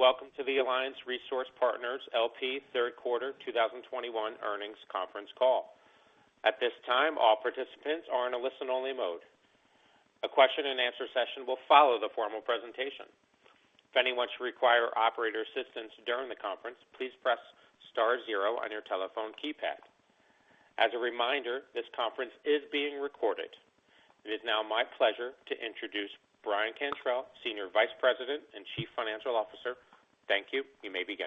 Greetings, welcome to the Alliance Resource Partners, LP Third Quarter 2021 Earnings Conference Call. At this time, all participants are in a listen-only mode. A question and answer session will follow the formal presentation. If anyone should require operator assistance during the conference, please press star zero on your telephone keypad. As a reminder, this conference is being recorded. It is now my pleasure to introduce Brian Cantrell, Senior Vice President and Chief Financial Officer. Thank you. You may begin.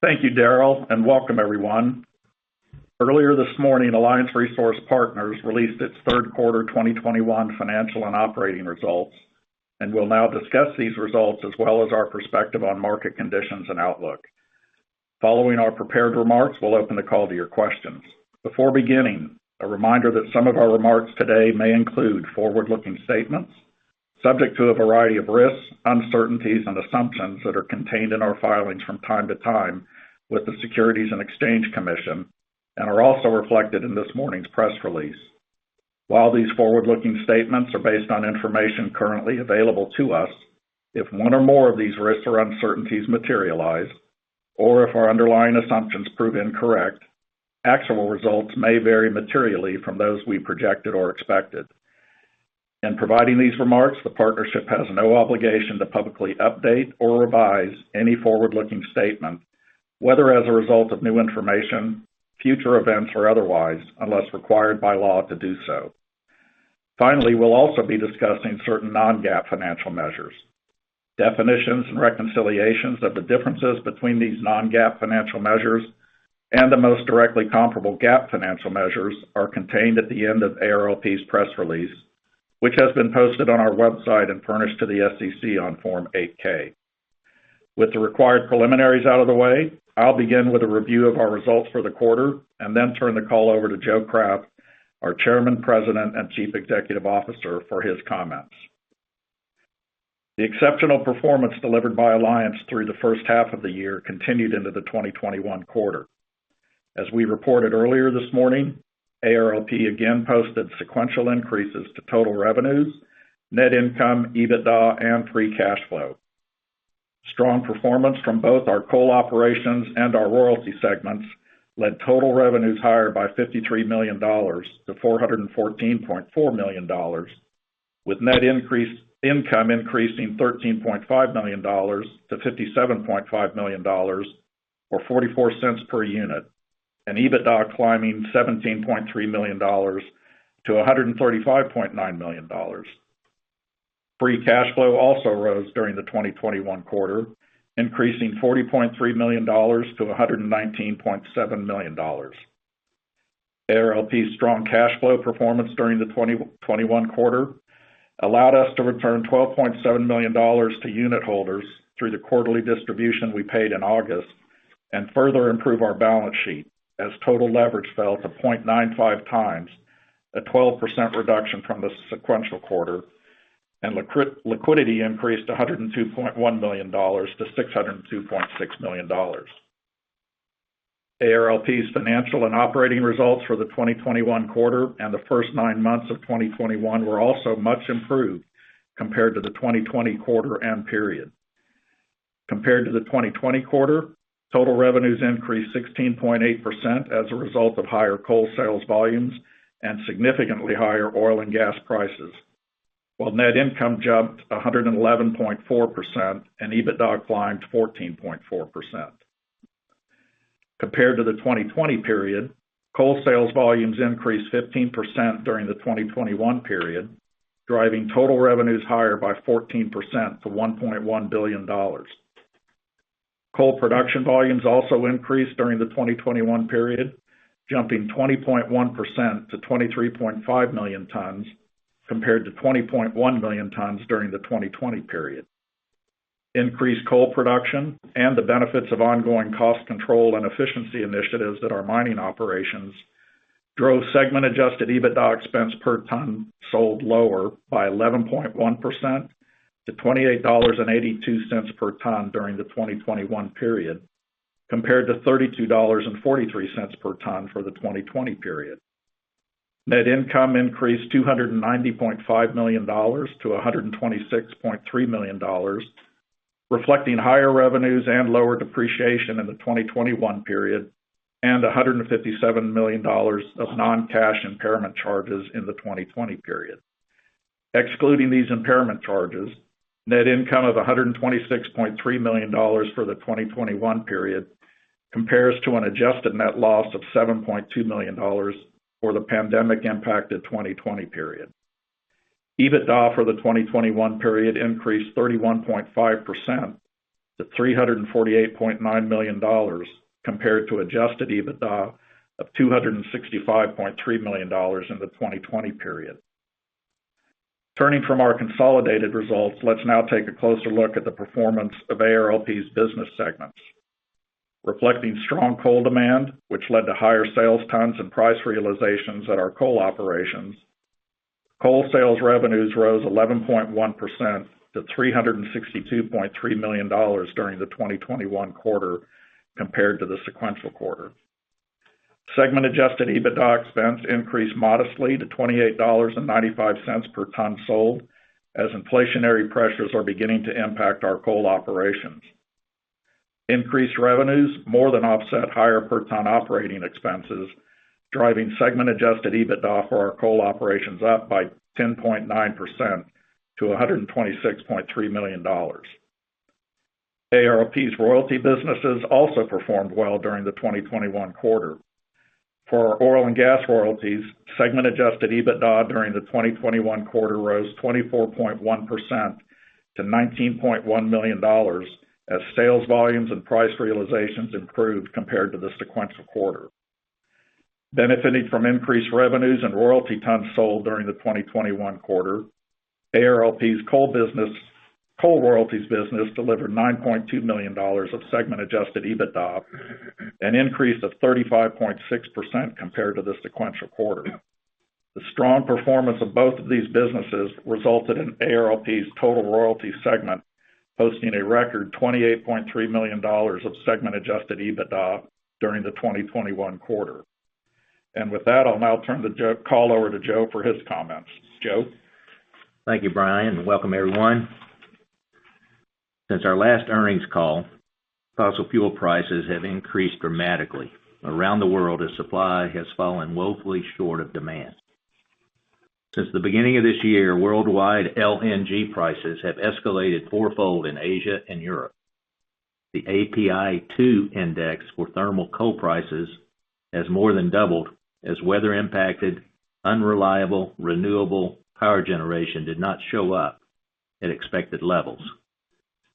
Thank you, Daryl, and welcome everyone. Earlier this morning, Alliance Resource Partners released its third quarter 2021 financial and operating results, and will now discuss these results as well as our perspective on market conditions and outlook. Following our prepared remarks, we'll open the call to your questions. Before beginning, a reminder that some of our remarks today may include forward-looking statements subject to a variety of risks, uncertainties, and assumptions that are contained in our filings from time to time with the Securities and Exchange Commission, and are also reflected in this morning's press release. While these forward-looking statements are based on information currently available to us, if one or more of these risks or uncertainties materialize, or if our underlying assumptions prove incorrect, actual results may vary materially from those we projected or expected. In providing these remarks, the partnership has no obligation to publicly update or revise any forward-looking statement, whether as a result of new information, future events, or otherwise, unless required by law to do so. Finally, we'll also be discussing certain non-GAAP financial measures. Definitions and reconciliations of the differences between these non-GAAP financial measures and the most directly comparable GAAP financial measures are contained at the end of ARLP's press release, which has been posted on our website and furnished to the SEC on Form 8-K. With the required preliminaries out of the way, I'll begin with a review of our results for the quarter, and then turn the call over to Joe Craft, our Chairman, President, and Chief Executive Officer, for his comments. The exceptional performance delivered by Alliance through the first half of the year continued into the 2021 quarter. As we reported earlier this morning, ARLP again posted sequential increases to total revenues, net income, EBITDA, and free cash flow. Strong performance from both our coal operations and our royalty segments led total revenues higher by $53 million to $414.4 million, with net income increasing $13.5 million to $57.5 million, or $0.44 per unit, and EBITDA climbing $17.3 million to $135.9 million. Free cash flow also rose during the 2021 quarter, increasing $40.3 million to $119.7 million. ARLP's strong cash flow performance during the 2021 quarter allowed us to return $12.7 million to unit holders through the quarterly distribution we paid in August, and further improve our balance sheet as total leverage fell to 0.95x, a 12% reduction from the sequential quarter, and liquidity increased $102.1 million to $602.6 million. ARLP's financial and operating results for the 2021 quarter and the first nine months of 2021 were also much improved compared to the 2020 quarter and period. Compared to the 2020 quarter, total revenues increased 16.8% as a result of higher coal sales volumes and significantly higher oil and gas prices, while net income jumped 111.4% and EBITDA climbed 14.4%. Compared to the 2020 period, coal sales volumes increased 15% during the 2021 period, driving total revenues higher by 14% to $1.1 billion. Coal production volumes also increased during the 2021 period, jumping 20.1% to 23.5 million tons, compared to 20.1 million tons during the 2020 period. Increased coal production and the benefits of ongoing cost control and efficiency initiatives at our mining operations drove Segment Adjusted EBITDA expense per ton sold lower by 11.1% to $28.82 per ton during the 2021 period, compared to $32.43 per ton for the 2020 period. Net income increased $290.5 million to $126.3 million, reflecting higher revenues and lower depreciation in the 2021 period, and $157 million of non-cash impairment charges in the 2020 period. Excluding these impairment charges, net income of $126.3 million for the 2021 period compares to an adjusted net loss of $7.2 million for the pandemic-impacted 2020 period. EBITDA for the 2021 period increased 31.5% to $348.9 million, compared to adjusted EBITDA of $265.3 million in the 2020 period. Turning from our consolidated results, let's now take a closer look at the performance of ARLP's business segments. Reflecting strong coal demand, which led to higher sales tons and price realizations at our coal operations, coal sales revenues rose 11.1% to $362.3 million during the 2021 quarter compared to the sequential quarter. Segment Adjusted EBITDA expense increased modestly to $28.95 per ton sold, as inflationary pressures are beginning to impact our coal operations. Increased revenues more than offset higher per ton operating expenses, driving Segment Adjusted EBITDA for our coal operations up by 10.9% to $126.3 million. ARLP's royalty businesses also performed well during the 2021 quarter. For our oil and gas royalties, Segment Adjusted EBITDA during the 2021 quarter rose 24.1% to $19.1 million as sales volumes and price realizations improved compared to this sequential quarter. Benefiting from increased revenues and royalty tons sold during the 2021 quarter, ARLP's coal royalties business delivered $9.2 million of Segment Adjusted EBITDA, an increase of 35.6% compared to this sequential quarter. The strong performance of both of these businesses resulted in ARLP's total royalty segment posting a record $28.3 million of Segment Adjusted EBITDA during the 2021 quarter. With that, I'll now turn the call over to Joe for his comments. Joe? Thank you, Brian, and welcome everyone. Since our last earnings call, fossil fuel prices have increased dramatically around the world as supply has fallen woefully short of demand. Since the beginning of this year, worldwide LNG prices have escalated fourfold in Asia and Europe. The API2 index for thermal coal prices has more than doubled as weather impacted unreliable renewable power generation did not show up at expected levels,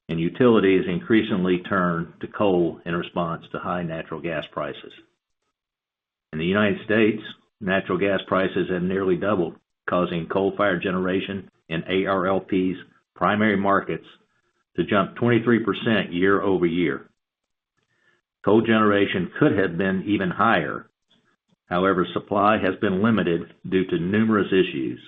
and utilities increasingly turn to coal in response to high natural gas prices. In the U.S., natural gas prices have nearly doubled, causing coal fire generation in ARLP's primary markets to jump 23% year-over-year. Coal generation could have been even higher. However, supply has been limited due to numerous issues,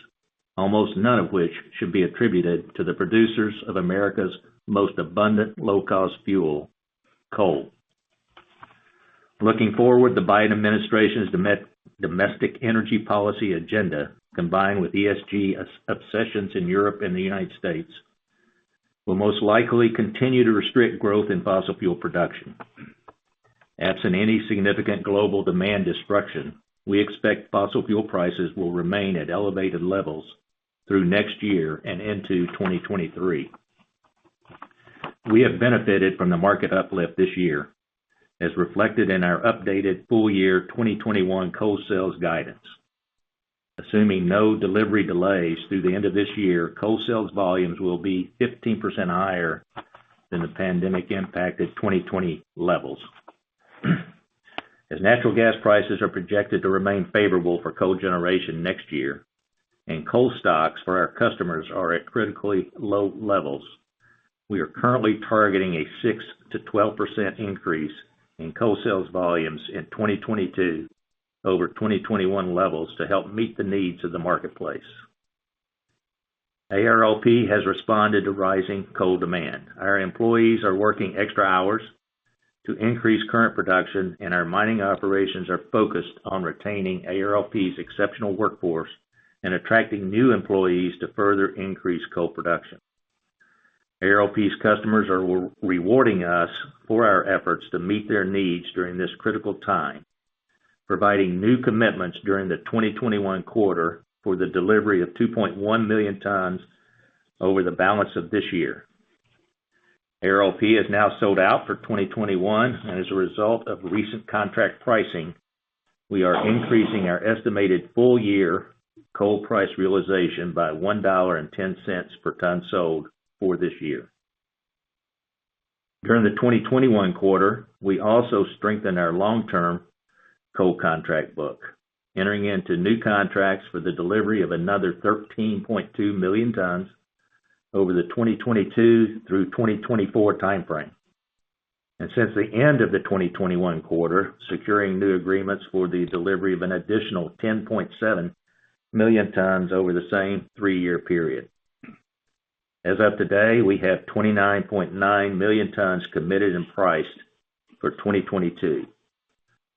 almost none of which should be attributed to the producers of America's most abundant low-cost fuel, coal. Looking forward, the Biden administration's domestic energy policy agenda, combined with ESG obsessions in Europe and the United States, will most likely continue to restrict growth in fossil fuel production. Absent any significant global demand disruption, we expect fossil fuel prices will remain at elevated levels through next year and into 2023. We have benefited from the market uplift this year as reflected in our updated full year 2021 coal sales guidance. Assuming no delivery delays through the end of this year, coal sales volumes will be 15% higher than the pandemic impacted 2020 levels. As natural gas prices are projected to remain favorable for coal generation next year and coal stocks for our customers are at critically low levels, we are currently targeting a 6%-12% increase in coal sales volumes in 2022 over 2021 levels to help meet the needs of the marketplace. ARLP has responded to rising coal demand. Our employees are working extra hours to increase current production, and our mining operations are focused on retaining ARLP's exceptional workforce and attracting new employees to further increase coal production. ARLP's customers are rewarding us for our efforts to meet their needs during this critical time, providing new commitments during the 2021 quarter for the delivery of 2.1 million tons over the balance of this year. ARLP is now sold out for 2021, and as a result of recent contract pricing, we are increasing our estimated full year coal price realization by $1.10 per ton sold for this year. During the 2021 quarter, we also strengthened our long-term coal contract book, entering into new contracts for the delivery of another 13.2 million tons over the 2022 through 2024 timeframe. Since the end of the 2021 quarter, securing new agreements for the delivery of an additional 10.7 million tons over the same three-year period. As of today, we have 29.9 million tons committed and priced for 2022.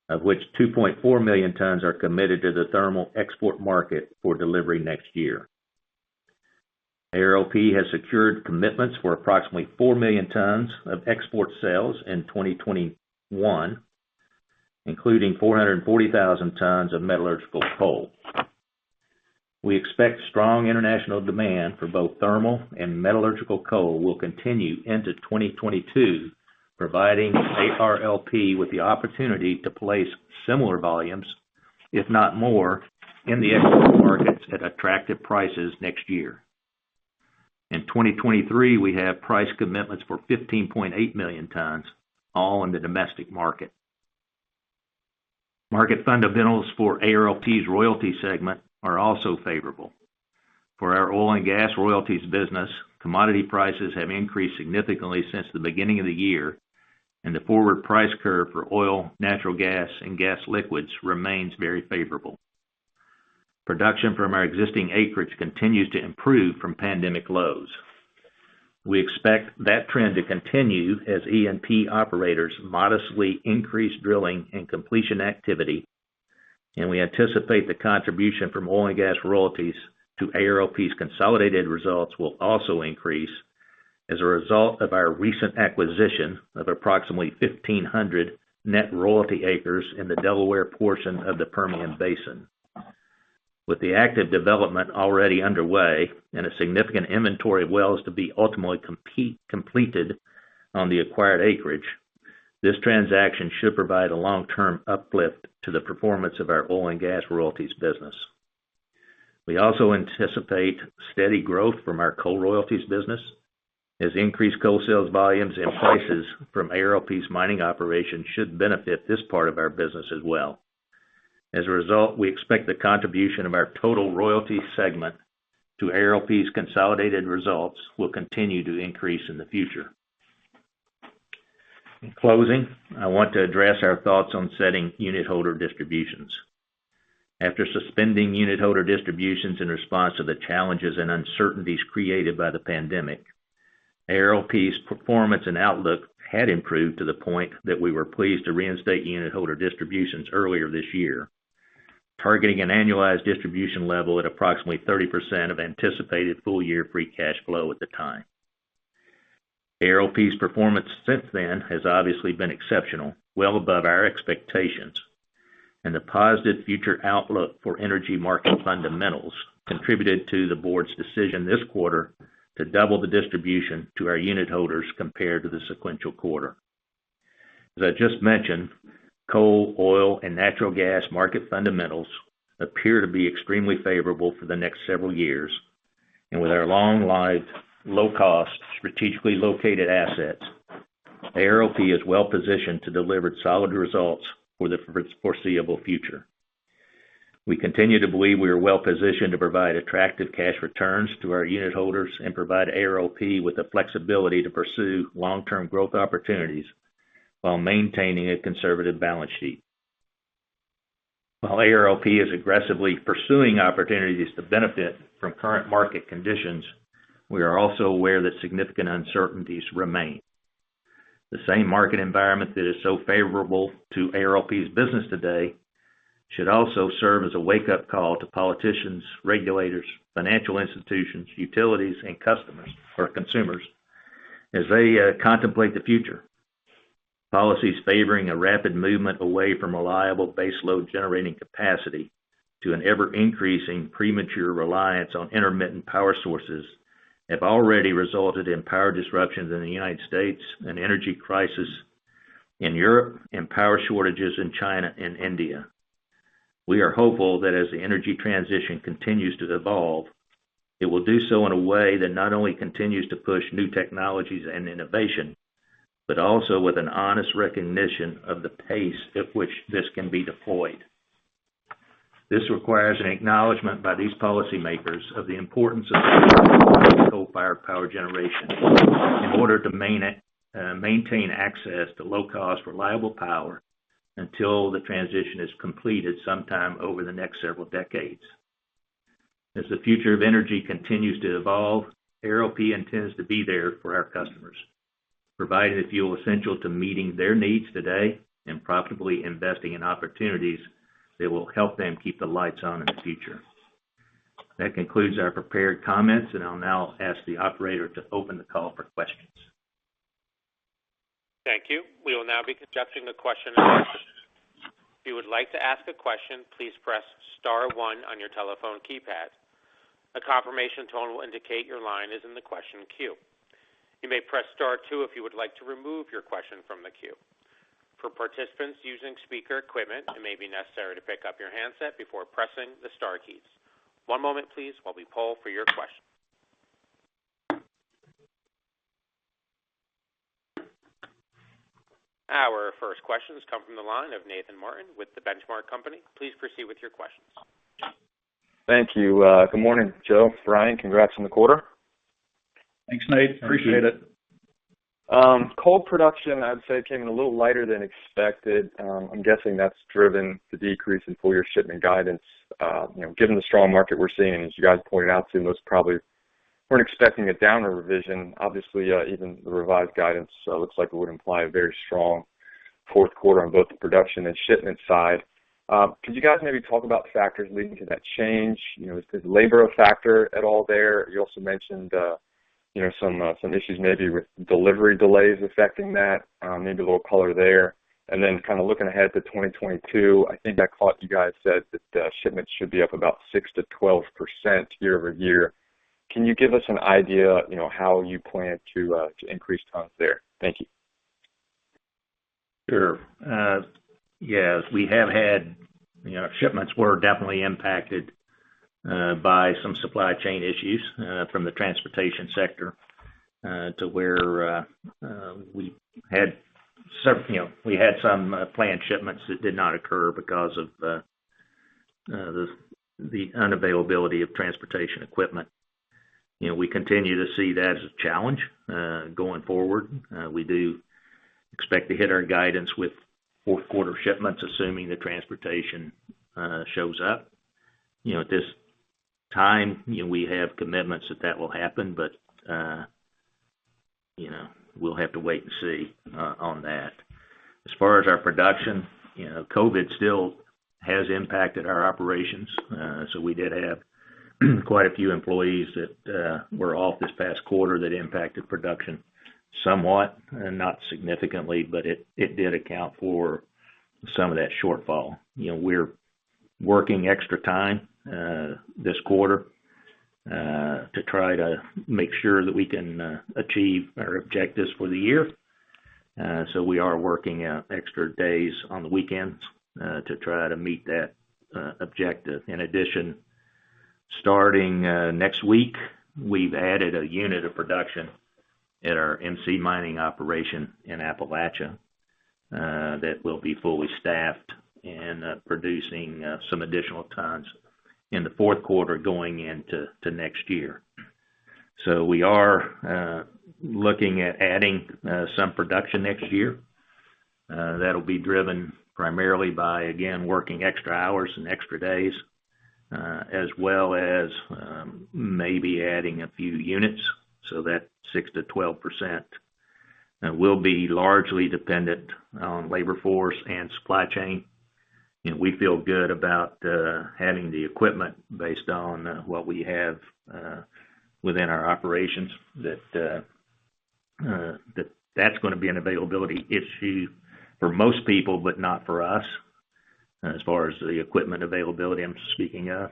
Of which 2.4 million tons are committed to the thermal export market for delivery next year. ARLP has secured commitments for approximately 4 million tons of export sales in 2021, including 440,000 tons of metallurgical coal. We expect strong international demand for both thermal and metallurgical coal will continue into 2022, providing ARLP with the opportunity to place similar volumes, if not more, in the export markets at attractive prices next year. In 2023, we have price commitments for 15.8 million tons, all in the domestic market. Market fundamentals for ARLP's royalty segment are also favorable. For our oil and gas royalties business, commodity prices have increased significantly since the beginning of the year, and the forward price curve for oil, natural gas, and gas liquids remains very favorable. Production from our existing acreage continues to improve from pandemic lows. We expect that trend to continue as E&P operators modestly increase drilling and completion activity, and we anticipate the contribution from oil and gas royalties to ARLP's consolidated results will also increase as a result of our recent acquisition of approximately 1,500 net royalty acres in the Delaware portion of the Permian Basin. With the active development already underway and a significant inventory of wells to be ultimately completed on the acquired acreage, this transaction should provide a long-term uplift to the performance of our oil and gas royalties business. We also anticipate steady growth from our coal royalties business as increased coal sales volumes and prices from ARLP's mining operations should benefit this part of our business as well. As a result, we expect the contribution of our total royalty segment to ARLP's consolidated results will continue to increase in the future. In closing, I want to address our thoughts on setting unitholder distributions. After suspending unitholder distributions in response to the challenges and uncertainties created by the pandemic, ARLP's performance and outlook had improved to the point that we were pleased to reinstate unitholder distributions earlier this year, targeting an annualized distribution level at approximately 30% of anticipated full-year Free Cash Flow at the time. ARLP's performance since then has obviously been exceptional, well above our expectations. The positive future outlook for energy market fundamentals contributed to the Board's decision this quarter to double the distribution to our unitholders compared to the sequential quarter. As I just mentioned, coal, oil, and natural gas market fundamentals appear to be extremely favorable for the next several years. With our long-lived, low-cost, strategically located assets, ARLP is well-positioned to deliver solid results for the foreseeable future. We continue to believe we are well-positioned to provide attractive cash returns to our unitholders and provide ARLP with the flexibility to pursue long-term growth opportunities while maintaining a conservative balance sheet. While ARLP is aggressively pursuing opportunities to benefit from current market conditions, we are also aware that significant uncertainties remain. The same market environment that is so favorable to ARLP's business today should also serve as a wake-up call to politicians, regulators, financial institutions, utilities, and customers or consumers as they contemplate the future. Policies favoring a rapid movement away from reliable baseload generating capacity to an ever-increasing premature reliance on intermittent power sources have already resulted in power disruptions in the U.S. and energy crisis in Europe and power shortages in China and India. We are hopeful that as the energy transition continues to evolve, it will do so in a way that not only continues to push new technologies and innovation, but also with an honest recognition of the pace at which this can be deployed. This requires an acknowledgment by these policymakers of the importance of coal-fired power generation in order to maintain access to low-cost, reliable power until the transition is completed sometime over the next several decades. As the future of energy continues to evolve, ARLP intends to be there for our customers, providing the fuel essential to meeting their needs today and profitably investing in opportunities that will help them keep the lights on in the future. That concludes our prepared comments, and I'll now ask the operator to open the call for questions. Thank you. We will now be conducting the question and answer. If you would like to ask a question, please press star one on your telephone keypad. A confirmation tone will indicate your line is in the question queue. You may press star two if you would like to remove your question from the queue. For participants using speaker equipment, it may be necessary to pick up your handset before pressing the star keys. One moment please while we poll for your question. Our first questions come from the line of Nathan Martin with The Benchmark Company. Please proceed with your questions. Thank you. Good morning, Joe, Brian. Congrats on the quarter. Thanks, Nate. Appreciate it. Coal production, I'd say, came in a little lighter than expected. I'm guessing that's driven the decrease in full-year shipment guidance. Given the strong market we're seeing, as you guys pointed out, too, most probably weren't expecting a downward revision. Obviously, even the revised guidance looks like it would imply a very strong fourth quarter on both the production and shipment side. Could you guys maybe talk about the factors leading to that change? Is labor a factor at all there? You also mentioned some issues maybe with delivery delays affecting that. Maybe a little color there. Kind of looking ahead to 2022, I think I caught you guys said that shipments should be up about 6%-12% year-over-year. Can you give us an idea how you plan to increase tons there? Thank you. Sure. Yes. Shipments were definitely impacted by some supply chain issues from the transportation sector to where we had some planned shipments that did not occur because of the unavailability of transportation equipment. We continue to see that as a challenge going forward. We do expect to hit our guidance with 4th quarter shipments, assuming the transportation shows up. At this time, we have commitments that will happen, but we'll have to wait and see on that. As far as our production, COVID still has impacted our operations. We did have quite a few employees that were off this past quarter that impacted production somewhat. Not significantly, but it did account for some of that shortfall. We're working extra time this quarter to try to make sure that we can achieve our objectives for the year. We are working extra days on the weekends to try to meet that objective. In addition, starting next week, we've added a unit of production at our MC Mining operation in Appalachia that will be fully staffed and producing some additional tons in the fourth quarter going into next year. We are looking at adding some production next year. That'll be driven primarily by, again, working extra hours and extra days, as well as maybe adding a few units. That 6%-12% will be largely dependent on labor force and supply chain. We feel good about having the equipment based on what we have within our operations, that's going to be an availability issue for most people, but not for us as far as the equipment availability I'm speaking of.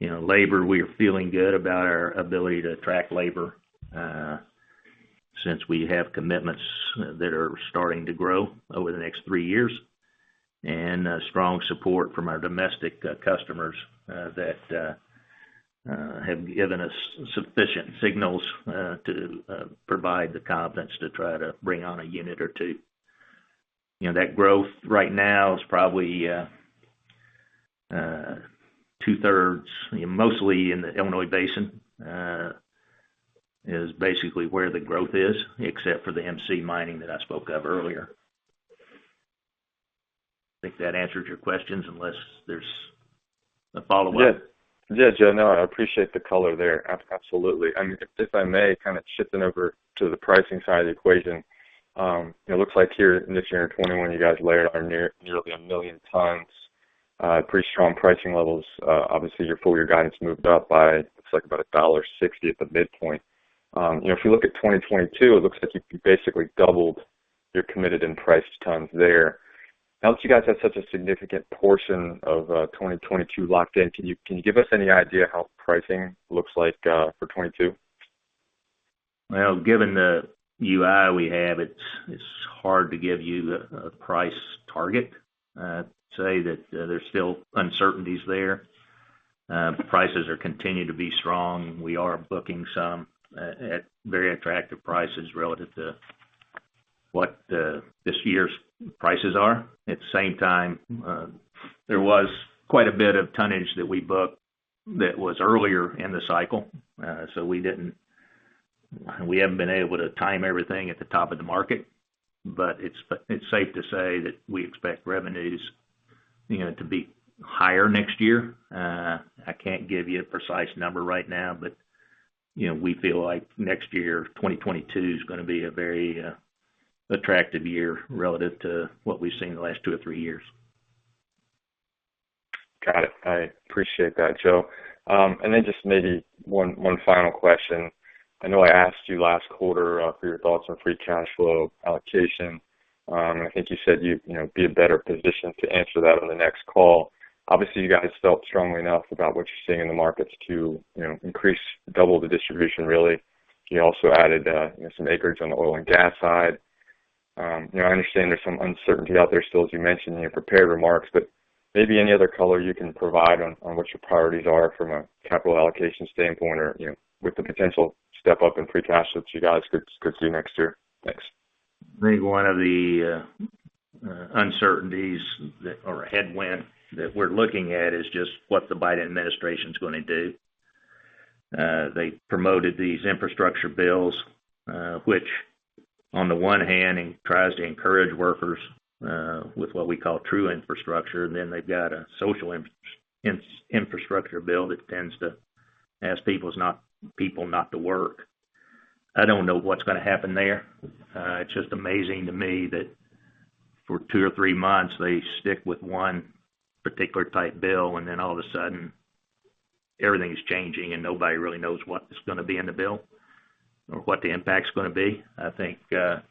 Labor, we are feeling good about our ability to attract labor since we have commitments that are starting to grow over the next three years, and strong support from our domestic customers that have given us sufficient signals to provide the confidence to try to bring on a unit or two. That growth right now is probably 2/3, mostly in the Illinois Basin is basically where the growth is, except for the MC Mining that I spoke of earlier. I think that answers your questions unless there's a follow-up. Yes, Joe. No, I appreciate the color there. Absolutely. If I may kind of shift it over to the pricing side of the equation. It looks like here in this year in 2021, you guys layered on nearly 1 million tons. Pretty strong pricing levels. Obviously, your full-year guidance moved up by, looks like about $1.60 at the midpoint. If you look at 2022, it looks like you basically doubled your committed and priced tons there. Now that you guys have such a significant portion of 2022 locked in, can you give us any idea how pricing looks like for 2022? Well, given the UI we have, it's hard to give you a price target. I'd say that there's still uncertainties there. Prices are continuing to be strong. We are booking some at very attractive prices relative to what this year's prices are. At the same time, there was quite a bit of tonnage that we booked that was earlier in the cycle. We haven't been able to time everything at the top of the market, but it's safe to say that we expect revenues to be higher next year. I can't give you a precise number right now, but we feel like next year, 2022, is going to be a very attractive year relative to what we've seen in the last two or three years. Got it. I appreciate that, Joe. Then just maybe one final question. I know I asked you last quarter for your thoughts on free cash flow allocation. I think you said you'd be in a better position to answer that on the next call. Obviously, you guys felt strongly enough about what you're seeing in the markets to increase, double the distribution, really. You also added some acreage on the oil and gas side. I understand there's some uncertainty out there still, as you mentioned in your prepared remarks, but maybe any other color you can provide on what your priorities are from a capital allocation standpoint or with the potential step up in free cash that you guys could see next year. Thanks. I think one of the uncertainties or a headwind that we're looking at is just what the Biden administration's going to do. They promoted these infrastructure bills, which on the one hand, tries to encourage workers with what we call true infrastructure, and then they've got a social infrastructure bill that tends to ask people not to work. I don't know what's going to happen there. It's just amazing to me that for two or three months, they stick with one particular type bill, and then all of a sudden, everything's changing and nobody really knows what is going to be in the bill or what the impact's going to be. I think the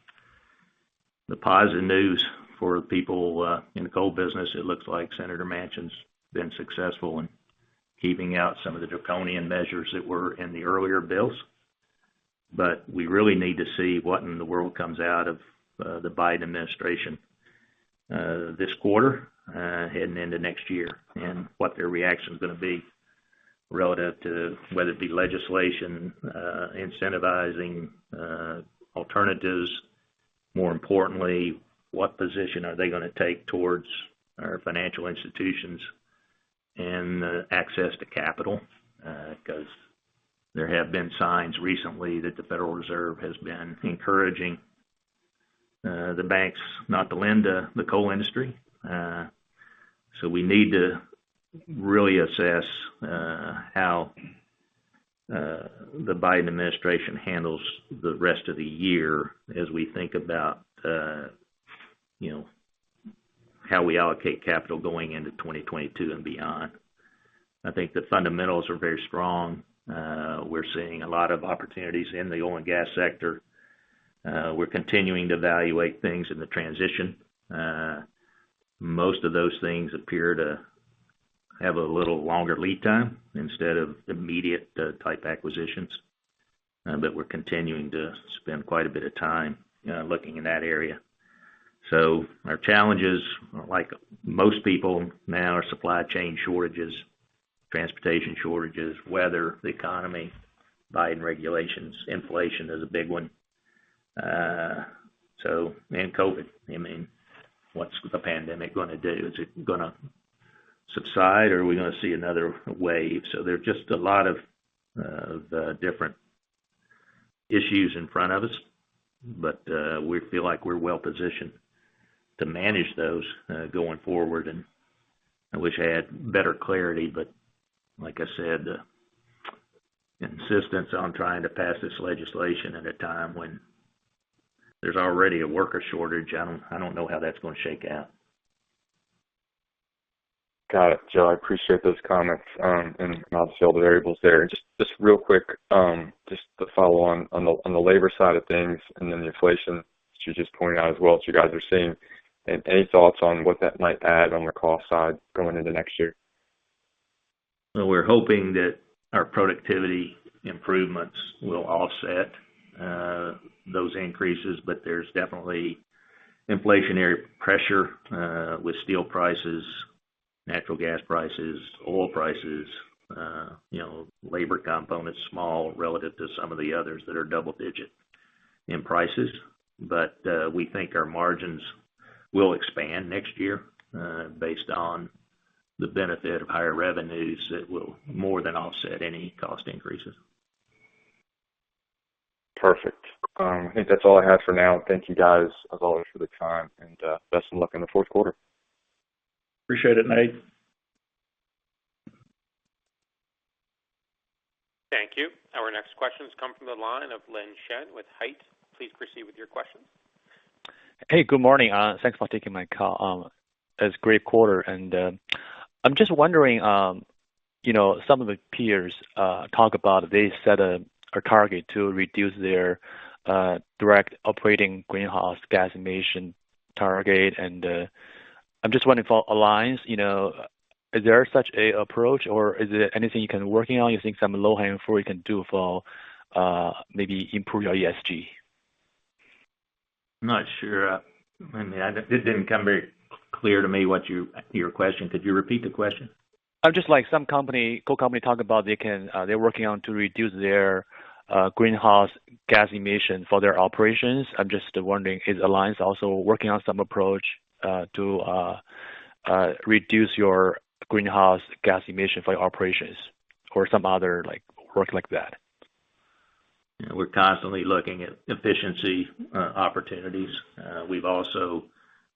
positive news for people in the coal business, it looks like Senator Manchin's been successful in keeping out some of the draconian measures that were in the earlier bills. We really need to see what in the world comes out of the Biden administration this quarter heading into 2022, and what their reaction's going to be relative to whether it be legislation incentivizing alternatives. More importantly, what position are they going to take towards our financial institutions and the access to capital? There have been signs recently that the Federal Reserve has been encouraging the banks not to lend to the coal industry. We need to really assess how the Biden administration handles the rest of the year as we think about how we allocate capital going into 2022 and beyond. I think the fundamentals are very strong. We're seeing a lot of opportunities in the oil and gas sector. We're continuing to evaluate things in the transition. Most of those things appear to have a little longer lead time instead of immediate type acquisitions. We're continuing to spend quite a bit of time looking in that area. Our challenges, like most people now, are supply chain shortages, transportation shortages, weather, the economy, Biden regulations, inflation is a big one. COVID. What's the pandemic going to do? Is it going to subside, or are we going to see another wave? There are just a lot of different issues in front of us, but we feel like we're well-positioned to manage those going forward. I wish I had better clarity, but like I said, insistence on trying to pass this legislation at a time when there's already a worker shortage, I don't know how that's going to shake out. Got it, Joe. I appreciate those comments, and obviously all the variables there. Just real quick, just to follow on the labor side of things and then the inflation that you just pointed out as well that you guys are seeing. Any thoughts on what that might add on the cost side going into next year? Well, we're hoping that our productivity improvements will offset those increases, but there's definitely inflationary pressure with steel prices, natural gas prices, oil prices. Labor component's small relative to some of the others that are double digit in prices. We think our margins will expand next year based on the benefit of higher revenues that will more than offset any cost increases. Perfect. I think that's all I have for now. Thank you guys, as always, for the time. Best of luck in the fourth quarter. Appreciate it, Nate. Thank you. Our next questions come from the line of Lin Shen with HITE. Please proceed with your question. Hey, good morning. Thanks for taking my call. It's a great quarter. I'm just wondering, some of the peers talk about they set a target to reduce their direct operating greenhouse gas emission target. I'm just wondering for Alliance, is there such an approach, or is there anything you can working on, you think, some low hanging fruit you can do for maybe improve your ESG? I'm not sure. I mean, it didn't come very clear to me what your question. Could you repeat the question? Just like some company, coal company talk about they're working on to reduce their greenhouse gas emission for their operations. I'm just wondering, is Alliance also working on some approach to reduce your greenhouse gas emission for your operations or some other work like that? Yeah. We're constantly looking at efficiency opportunities. We've also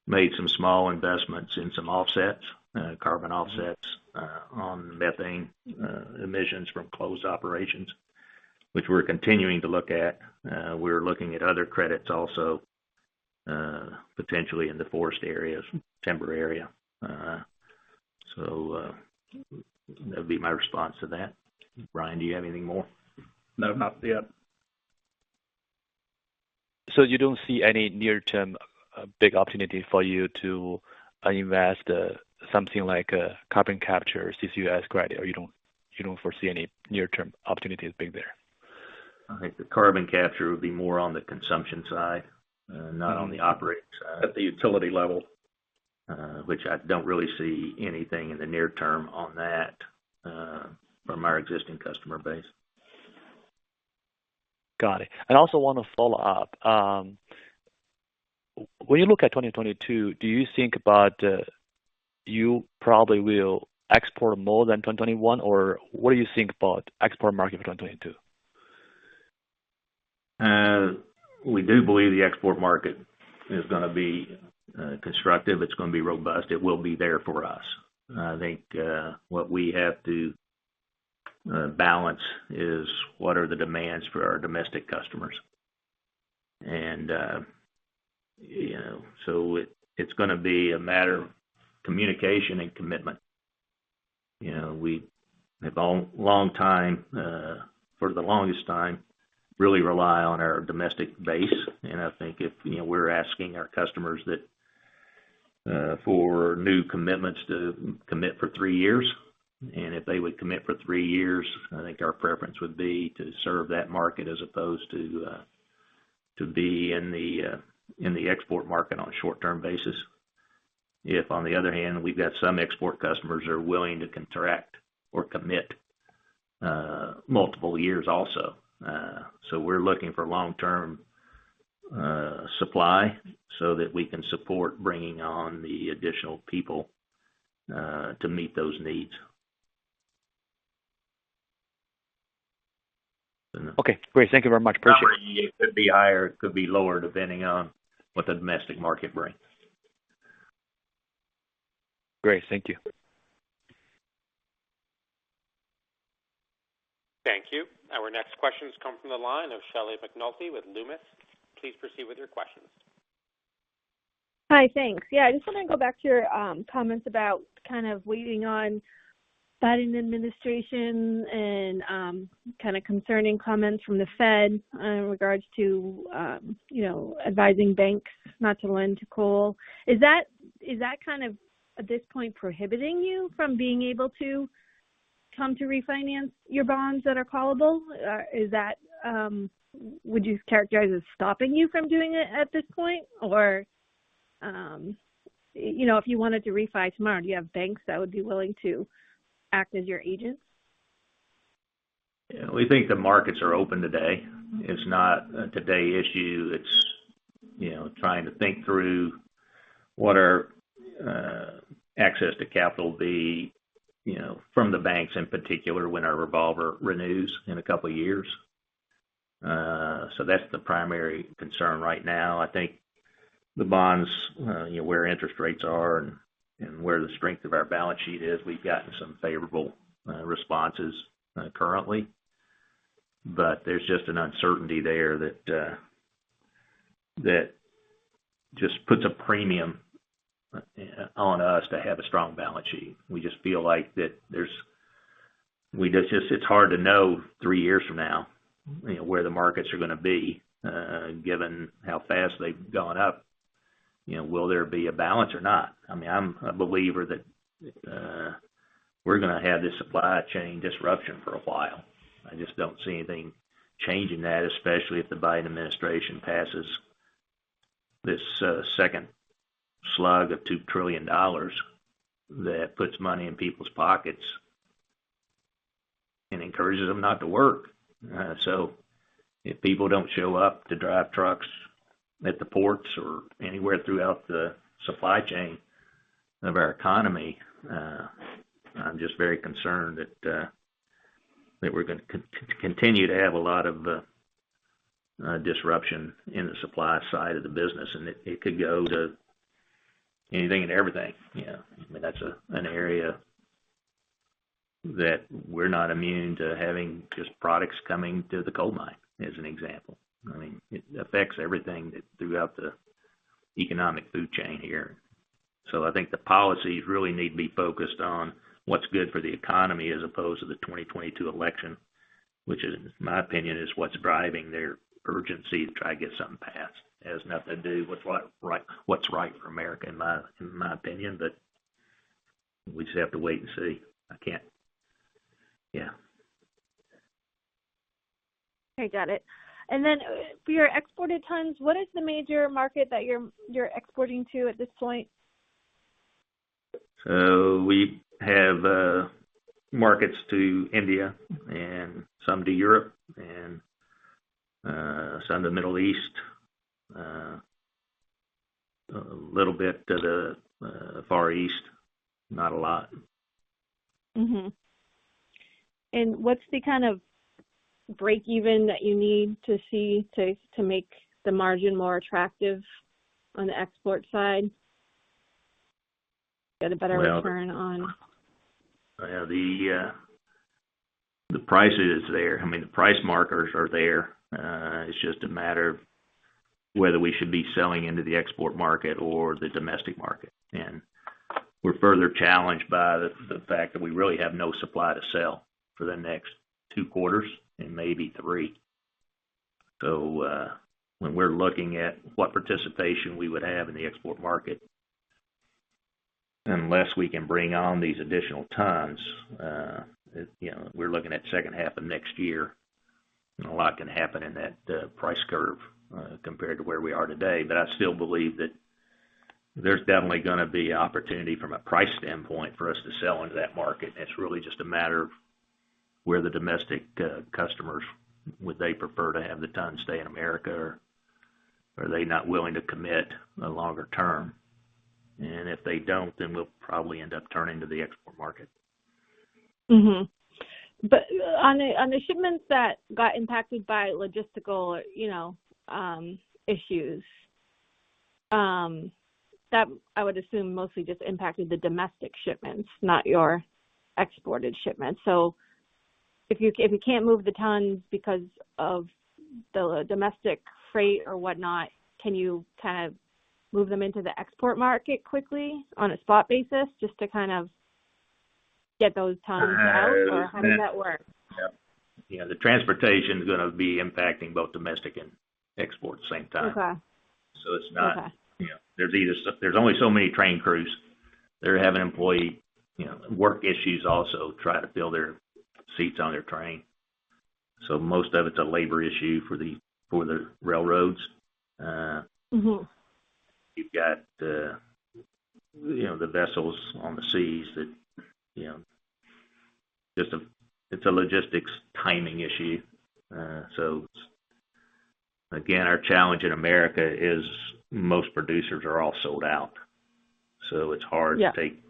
made some small investments in some offsets, carbon offsets on methane emissions from closed operations, which we're continuing to look at. We're looking at other credits also, potentially in the forest areas, timber area. That'd be my response to that. Brian, do you have anything more? No, not yet. You don't see any near-term big opportunity for you to invest something like a Carbon Capture CCUS credit, or you don't foresee any near-term opportunities being there? I think the Carbon Capture would be more on the consumption side, not on the operating side. At the utility level. I don't really see anything in the near term on that from our existing customer base. Got it. I also want to follow up. When you look at 2022, do you think about you probably will export more than 2021? What do you think about export market for 2022? We do believe the export market is going to be constructive. It's going to be robust. It will be there for us. I think what we have to balance is what are the demands for our domestic customers. It's going to be a matter of communication and commitment. We have for the longest time really rely on our domestic base, and I think if we're asking our customers for new commitments to commit for three years, and if they would commit for three years, I think our preference would be to serve that market as opposed to be in the export market on a short-term basis. On the other hand, we've got some export customers that are willing to contract or commit multiple years also. We're looking for long-term supply so that we can support bringing on the additional people to meet those needs. Okay, great. Thank you very much. Appreciate it. It could be higher, it could be lower, depending on what the domestic market brings. Great. Thank you. Thank you. Our next question has come from the line of Shelly McNulty with Loomis. Please proceed with your questions. Hi, thanks. Yeah, I just wanted to go back to your comments about kind of waiting on the Biden administration and kind of concerning comments from the Fed in regards to advising banks not to lend to coal. Is that kind of, at this point, prohibiting you from being able to come to refinance your bonds that are callable? Would you characterize it as stopping you from doing it at this point? If you wanted to refi tomorrow, do you have banks that would be willing to act as your agent? Yeah. We think the markets are open today. It's not a today issue. It's trying to think through what our access to capital will be from the banks in particular when our revolver renews in a couple of years. That's the primary concern right now. I think the bonds, where interest rates are and where the strength of our balance sheet is, we've gotten some favorable responses currently. There's just an uncertainty there that just puts a premium on us to have a strong balance sheet. It's hard to know three years from now where the markets are going to be given how fast they've gone up. Will there be a balance or not? I'm a believer that we're going to have this supply chain disruption for a while. I just don't see anything changing that, especially if the Biden administration passes this second slug of $2 trillion that puts money in people's pockets and encourages them not to work. If people don't show up to drive trucks at the ports or anywhere throughout the supply chain of our economy, I'm just very concerned that we're going to continue to have a lot of disruption in the supply side of the business. It could go to anything and everything. That's an area that we're not immune to having just products coming to the coal mine, as an example. It affects everything throughout the economic food chain here. I think the policies really need to be focused on what's good for the economy as opposed to the 2022 election, which in my opinion, is what's driving their urgency to try to get something passed. It has nothing to do with what's right for America, in my opinion. We just have to wait and see. I can't. I got it. Then for your exported tons, what is the major market that you're exporting to at this point? We have markets to India and some to Europe, and some to Middle East. A little bit to the Far East, not a lot. What's the kind of break even that you need to see to make the margin more attractive on the export side? The price is there. The price markers are there. It's just a matter of whether we should be selling into the export market or the domestic market. We're further challenged by the fact that we really have no supply to sell for the next two quarters, and maybe three. When we're looking at what participation we would have in the export market, unless we can bring on these additional tons, we're looking at the second half of next year, and a lot can happen in that price curve compared to where we are today. I still believe that there's definitely going to be opportunity from a price standpoint for us to sell into that market. It's really just a matter of where the domestic customers, would they prefer to have the ton stay in America, or are they not willing to commit a longer term? If they don't, then we'll probably end up turning to the export market. Mm-hmm. On the shipments that got impacted by logistical issues, that I would assume mostly just impacted the domestic shipments, not your exported shipments. If you can't move the tons because of the domestic freight or whatnot, can you kind of move them into the export market quickly on a spot basis just to kind of get those tons out? Or how does that work? Yeah. The transportation's going to be impacting both domestic and export at the same time. Okay. There's only so many train crews. They're having employee work issues also trying to fill their seats on their train. Most of it's a labor issue for the railroads. You've got the vessels on the seas that, it's a logistics timing issue. Again, our challenge in America is most producers are all sold out. Yeah. To take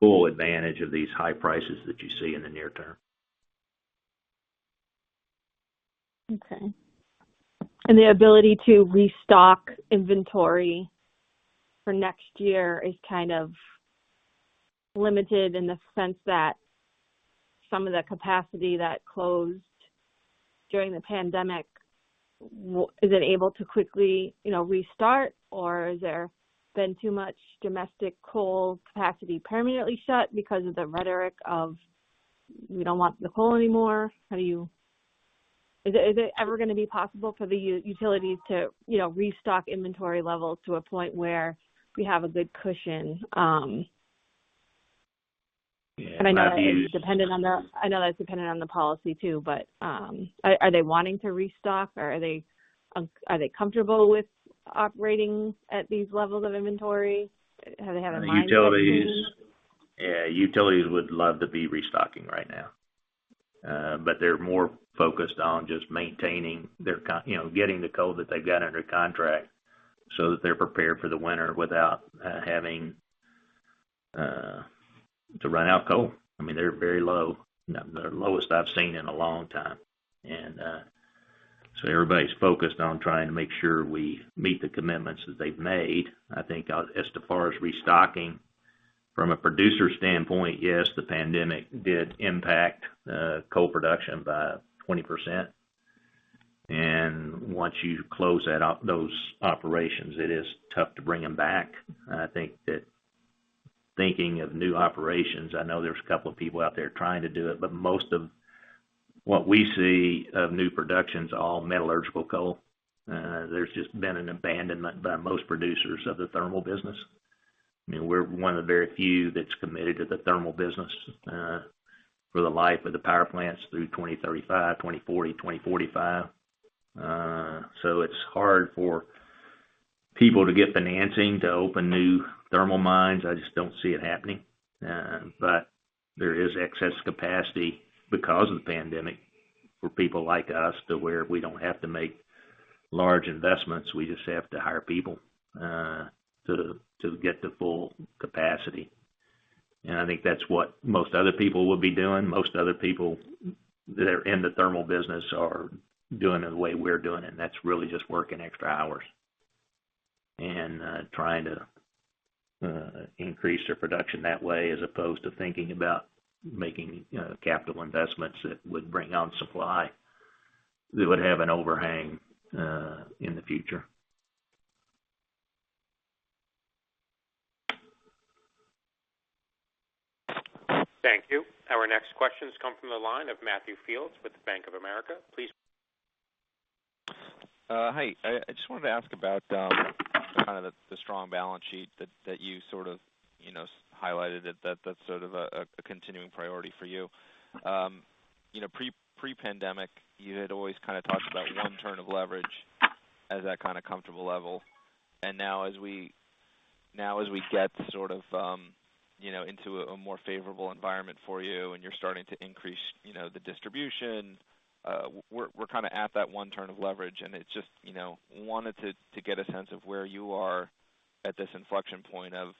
full advantage of these high prices that you see in the near term. Okay. The ability to restock inventory for next year is kind of limited in the sense that some of the capacity that closed during the pandemic, is it able to quickly restart, or has there been too much domestic coal capacity permanently shut because of the rhetoric of, we don't want the coal anymore? Is it ever going to be possible for the utilities to restock inventory levels to a point where we have a good cushion? Yeah. I know that's dependent on the policy, too. Are they wanting to restock, or are they comfortable with operating at these levels of inventory? Have they had a mindset change? Yeah, utilities would love to be restocking right now. They're more focused on just maintaining getting the coal that they've got under contract so that they're prepared for the winter without having to run out of coal. They're very low. The lowest I've seen in a long time. Everybody's focused on trying to make sure we meet the commitments that they've made. I think as to far as restocking, from a producer standpoint, yes, the pandemic did impact coal production by 20%. Once you close those operations, it is tough to bring them back. I think that thinking of new operations, I know there's a couple of people out there trying to do it, but most of what we see of new production's all metallurgical coal. There's just been an abandonment by most producers of the thermal business. We're one of the very few that's committed to the thermal business for the life of the power plants through 2035, 2040, 2045. It's hard for people to get financing to open new thermal mines. I just don't see it happening. There is excess capacity because of the pandemic for people like us to where we don't have to make large investments. We just have to hire people to get to full capacity. I think that's what most other people will be doing. Most other people that are in the thermal business are doing it the way we're doing it, and that's really just working extra hours and trying to increase their production that way, as opposed to thinking about making capital investments that would bring on supply that would have an overhang in the future. Thank you. Our next questions come from the line of Matthew Fields with Bank of America. Hi. I just wanted to ask about kind of the strong balance sheet that you sort of highlighted that that's sort of a continuing priority for you. Pre-pandemic, you had always kind of talked about one turn of leverage as that kind of comfortable level. Now as we get sort of into a more favorable environment for you and you're starting to increase the distribution, we're kind of at that one turn of leverage. I wanted to get a sense of where you are at this inflection point of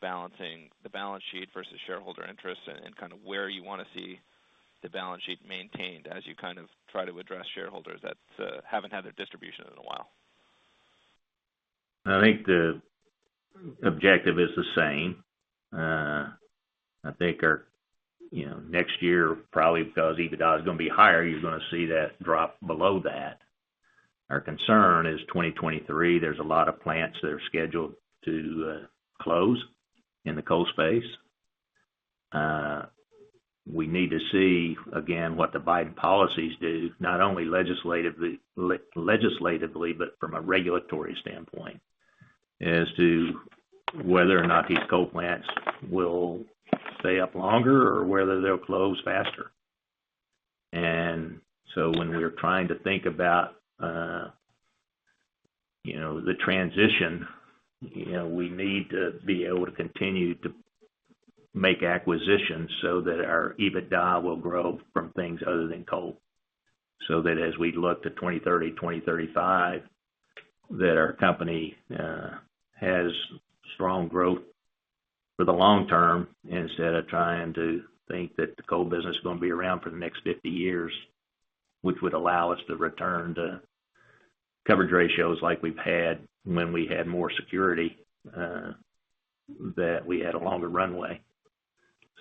balancing the balance sheet versus shareholder interest and kind of where you want to see the balance sheet maintained as you kind of try to address shareholders that haven't had their distribution in a while? I think the objective is the same. I think our next year, probably because EBITDA is going to be higher, you're going to see that drop below that. Our concern is 2023. There's a lot of plants that are scheduled to close in the coal space. We need to see, again, what the Biden policies do, not only legislatively, but from a regulatory standpoint as to whether or not these coal plants will stay up longer or whether they'll close faster. When we're trying to think about the transition, we need to be able to continue to make acquisitions so that our EBITDA will grow from things other than coal, so that as we look to 2030, 2035, that our company has strong growth for the long term, instead of trying to think that the coal business is going to be around for the next 50 years, which would allow us to return to coverage ratios like we've had when we had more security, that we had a longer runway.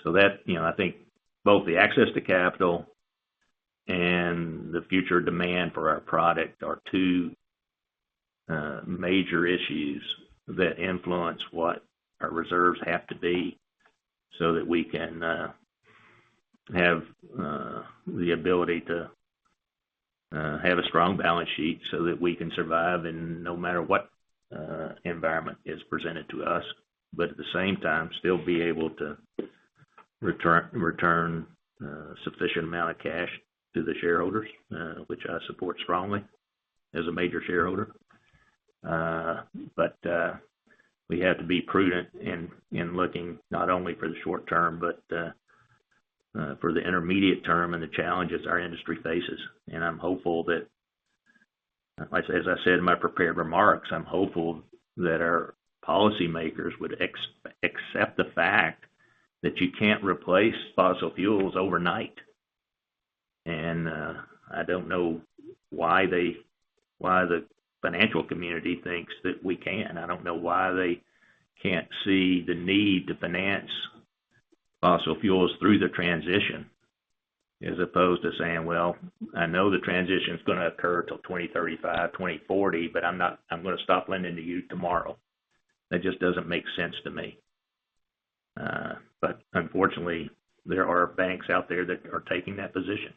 I think both the access to capital and the future demand for our product are two major issues that influence what our reserves have to be so that we can have the ability to have a strong balance sheet so that we can survive in no matter what environment is presented to us, but at the same time, still be able to return sufficient amount of cash to the shareholders, which I support strongly as a major shareholder. We have to be prudent in looking not only for the short term, but for the intermediate term and the challenges our industry faces. As I said in my prepared remarks, I'm hopeful that our policymakers would accept the fact that you can't replace fossil fuels overnight. I don't know why the financial community thinks that we can. I don't know why they can't see the need to finance fossil fuels through the transition, as opposed to saying, "Well, I know the transition's going to occur till 2035, 2040, but I'm going to stop lending to you tomorrow." That just doesn't make sense to me. Unfortunately, there are banks out there that are taking that position.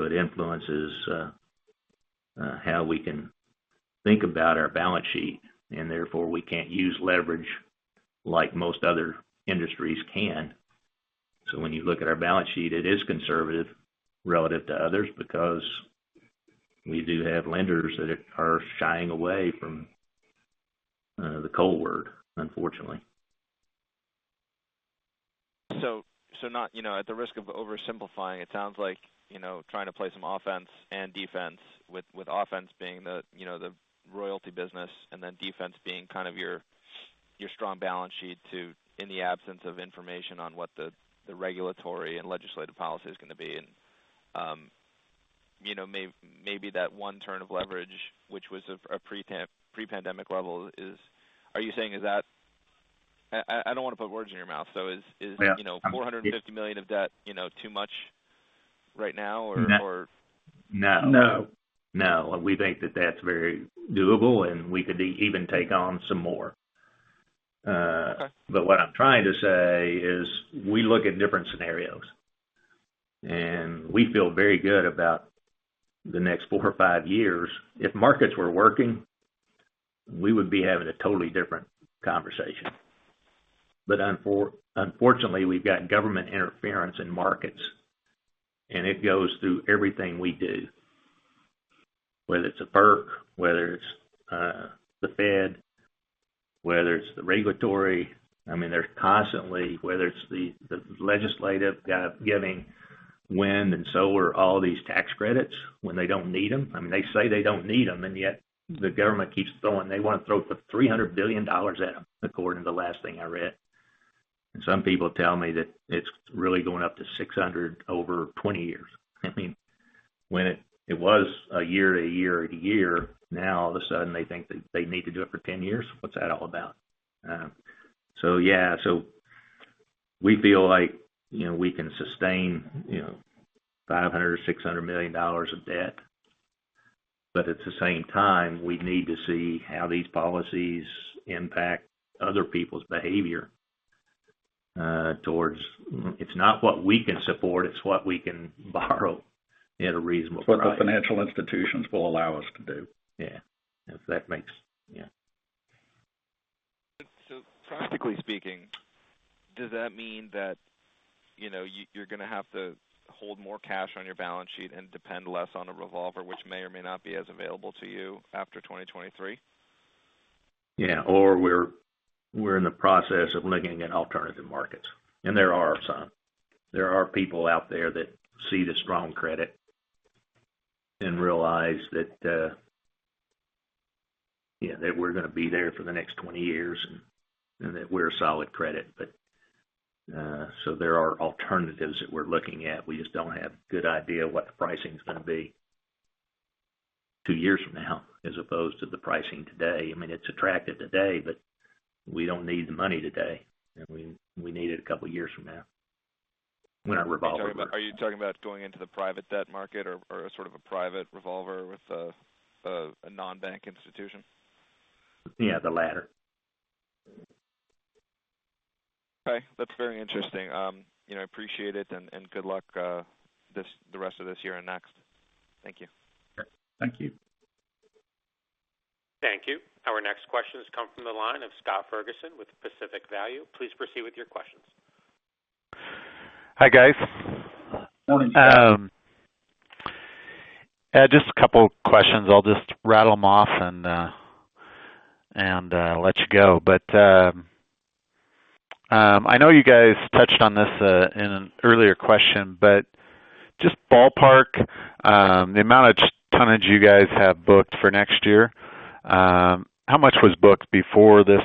It influences how we can think about our balance sheet, and therefore, we can't use leverage like most other industries can. When you look at our balance sheet, it is conservative relative to others because we do have lenders that are shying away from the coal word, unfortunately. Not at the risk of oversimplifying, it sounds like trying to play some offense and defense with offense being the royalty business and then defense being kind of your strong balance sheet to, in the absence of information on what the regulatory and legislative policy is going to be. Maybe that one turn of leverage, which was of a pre-pandemic level. Are you saying, I don't want to put words in your mouth. Yeah. Is $450 million of debt too much right now? No. No. No. We think that that's very doable, and we could even take on some more. Okay. What I'm trying to say is we look at different scenarios, and we feel very good about the next four or five years. If markets were working, we would be having a totally different conversation. Unfortunately, we've got government interference in markets, and it goes through everything we do, whether it's a FERC, whether it's the Fed, whether it's the regulatory. There's constantly, whether it's the legislative giving wind and solar all these tax credits when they don't need them. They say they don't need them, and yet the government keeps throwing. They want to throw the $300 billion at them according to the last thing I read. Some people tell me that it's really going up to $600 over 20 years. When it was one year, now all of a sudden they think that they need to do it for 10 years. What's that all about? We feel like we can sustain $500 million-$600 million of debt. At the same time, we need to see how these policies impact other people's behavior. It's not what we can support, it's what we can borrow at a reasonable price. It's what the financial institutions will allow us to do. Yeah. Practically speaking, does that mean that you're going to have to hold more cash on your balance sheet and depend less on a revolver, which may or may not be as available to you after 2023? We're in the process of looking at alternative markets, and there are some. There are people out there that see the strong credit and realize that we're going to be there for the next 20 years and that we're a solid credit. There are alternatives that we're looking at. We just don't have a good idea of what the pricing's going to be two years from now as opposed to the pricing today. It's attractive today, but we don't need the money today. We need it a couple of years from now when our revolver. Are you talking about going into the private debt market or a sort of a private revolver with a non-bank institution? Yeah, the latter. Okay. That's very interesting. I appreciate it, and good luck the rest of this year and next. Thank you. Thank you. Thank you. Our next question has come from the line of Scott Ferguson with Pacific Value. Please proceed with your questions. Hi, guys. Morning, Scott. Just a couple questions. I'll just rattle them off and let you go. I know you guys touched on this in an earlier question, but just ballpark the amount of tonnage you guys have booked for next year. How much was booked before this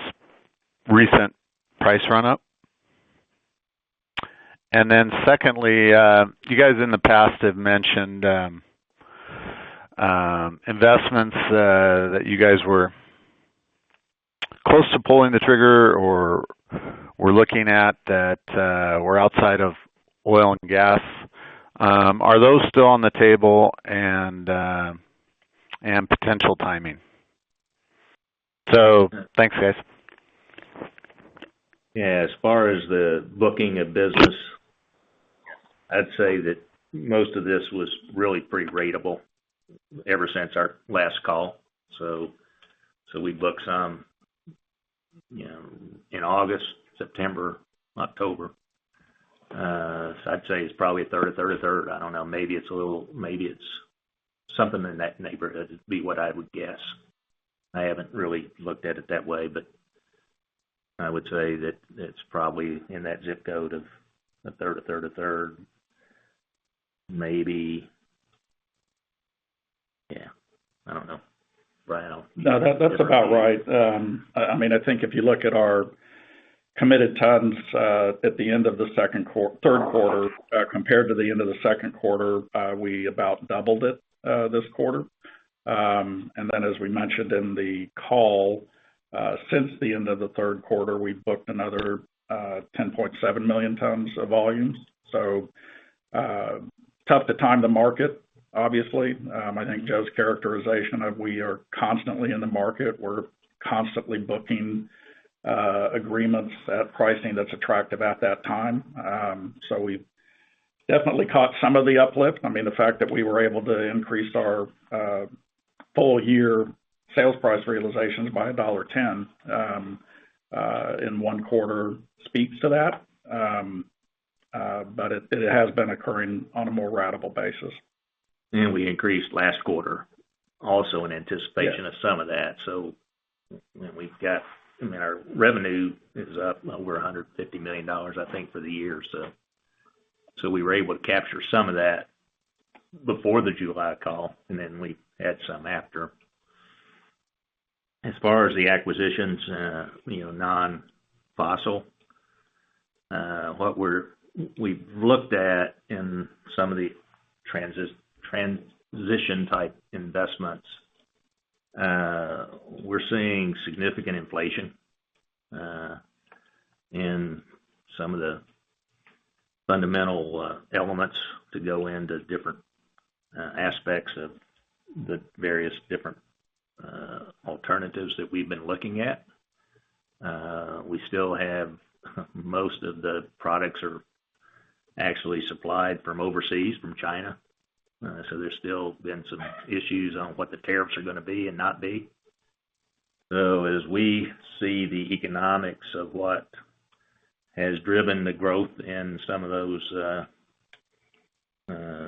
recent price run-up? Secondly, you guys in the past have mentioned investments that you guys were close to pulling the trigger or were looking at that were outside of oil and gas. Are those still on the table, and potential timing? Thanks, guys. Yeah. As far as the booking of business, I'd say that most of this was really pretty ratable ever since our last call. We booked some in August, September, October. I'd say it's probably a third, a third, a third. I don't know. Maybe it's something in that neighborhood, would be what I would guess. I haven't really looked at it that way, I would say that it's probably in that zip code of a third, a third, a third maybe. Yeah. I don't know, Brian. No, that's about right. I think if you look at our committed tons at the end of the third quarter compared to the end of the second quarter, we about doubled it this quarter. As we mentioned in the call, since the end of the third quarter, we've booked another 10.7 million tons of volumes. Tough to time the market, obviously. I think Joe's characterization of we are constantly in the market, we're constantly booking agreements at pricing that's attractive at that time. We've definitely caught some of the uplift. The fact that we were able to increase our full-year sales price realizations by $1.10 in one quarter speaks to that. It has been occurring on a more ratable basis. We increased last quarter also in anticipation of some of that. Our revenue is up over $150 million, I think, for the year. We were able to capture some of that before the July call, and then we add some after. As far as the acquisitions non-fossil, what we've looked at in some of the transition type investments, we're seeing significant inflation in some of the fundamental elements to go into different aspects of the various different alternatives that we've been looking at. We still have most of the products are actually supplied from overseas, from China. There's still been some issues on what the tariffs are going to be and not be. As we see the economics of what has driven the growth in some of those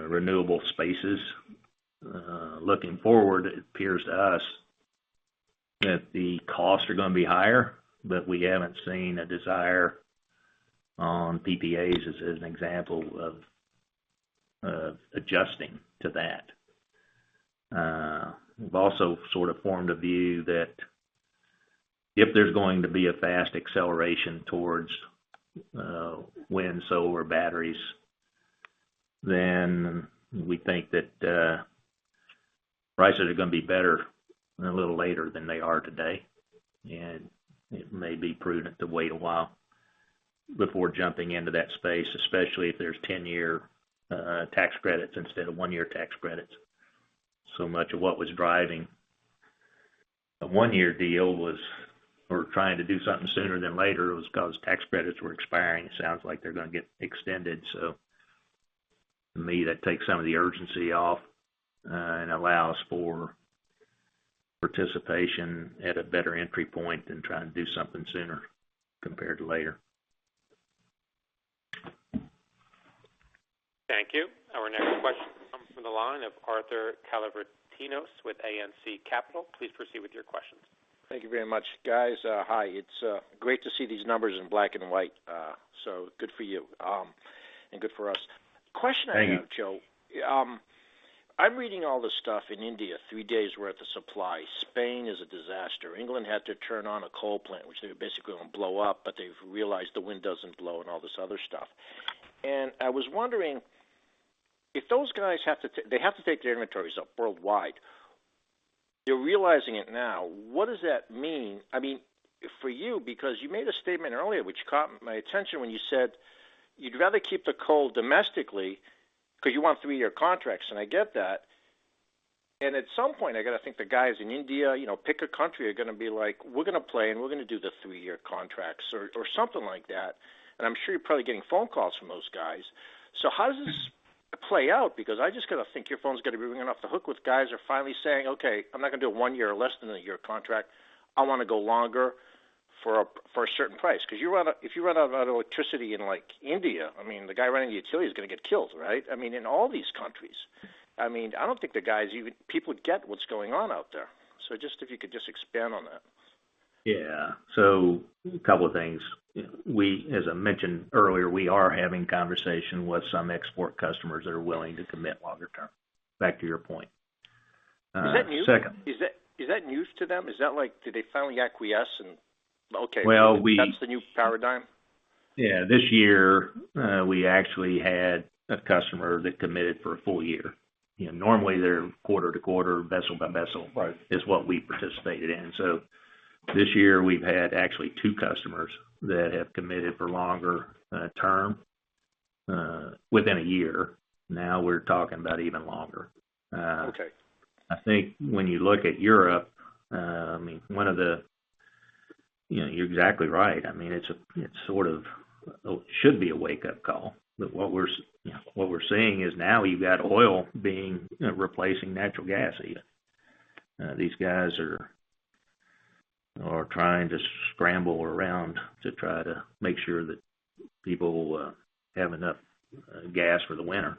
renewable spaces looking forward, it appears to us that the costs are going to be higher, but we haven't seen a desire on PPAs as an example of adjusting to that. We've also sort of formed a view that if there's going to be a fast acceleration towards wind, solar, batteries, then we think that prices are going to be better and a little later than they are today. It may be prudent to wait a while before jumping into that space, especially if there's 10-year tax credits instead of one-year tax credits. Much of what was driving a one-year deal was we're trying to do something sooner than later. It was because tax credits were expiring. It sounds like they're going to get extended. To me, that takes some of the urgency off and allows for participation at a better entry point than trying to do something sooner compared to later. Thank you. Our next question comes from the line of Arthur Calavritinos with ANC Capital. Please proceed with your questions. Thank you very much, guys. Hi. It's great to see these numbers in black and white. Good for you and good for us. Thank you. Question I have, Joe. I'm reading all this stuff in India, three days worth of supply. Spain is a disaster. England had to turn on a coal plant, which they were basically going to blow up, but they've realized the wind doesn't blow and all this other stuff. I was wondering if those guys have to take their inventories up worldwide. They're realizing it now. What does that mean for you? You made a statement earlier which caught my attention when you said you'd rather keep the coal domestically because you want three-year contracts, I get that. At some point, I got to think the guys in India, pick a country, are going to be like, "We're going to play and we're going to do the three-year contracts," or something like that. I'm sure you're probably getting phone calls from those guys. How does this play out? I just got to think your phone's going to be ringing off the hook with guys are finally saying, "Okay, I'm not going to do a one year or less than a year contract. I want to go longer for a certain price." If you run out of electricity in India, the guy running the utility is going to get killed, right? In all these countries. I don't think the guys even people get what's going on out there. Just if you could just expand on that. Yeah. A couple of things. As I mentioned earlier, we are having conversation with some export customers that are willing to commit longer term. Back to your point. Is that news to them? Is that like, did they finally acquiesce and okay? Well. That's the new paradigm? Yeah. This year, we actually had a customer that committed for a full year. Normally they're quarter to quarter, vessel by vessel. Right. Is what we participated in. This year, we've had actually two customers that have committed for longer term within a year. Now we're talking about even longer. Okay. I think when you look at Europe, you're exactly right. It should be a wake-up call. What we're seeing is now you've got oil replacing natural gas. These guys are trying to scramble around to try to make sure that people have enough gas for the winter.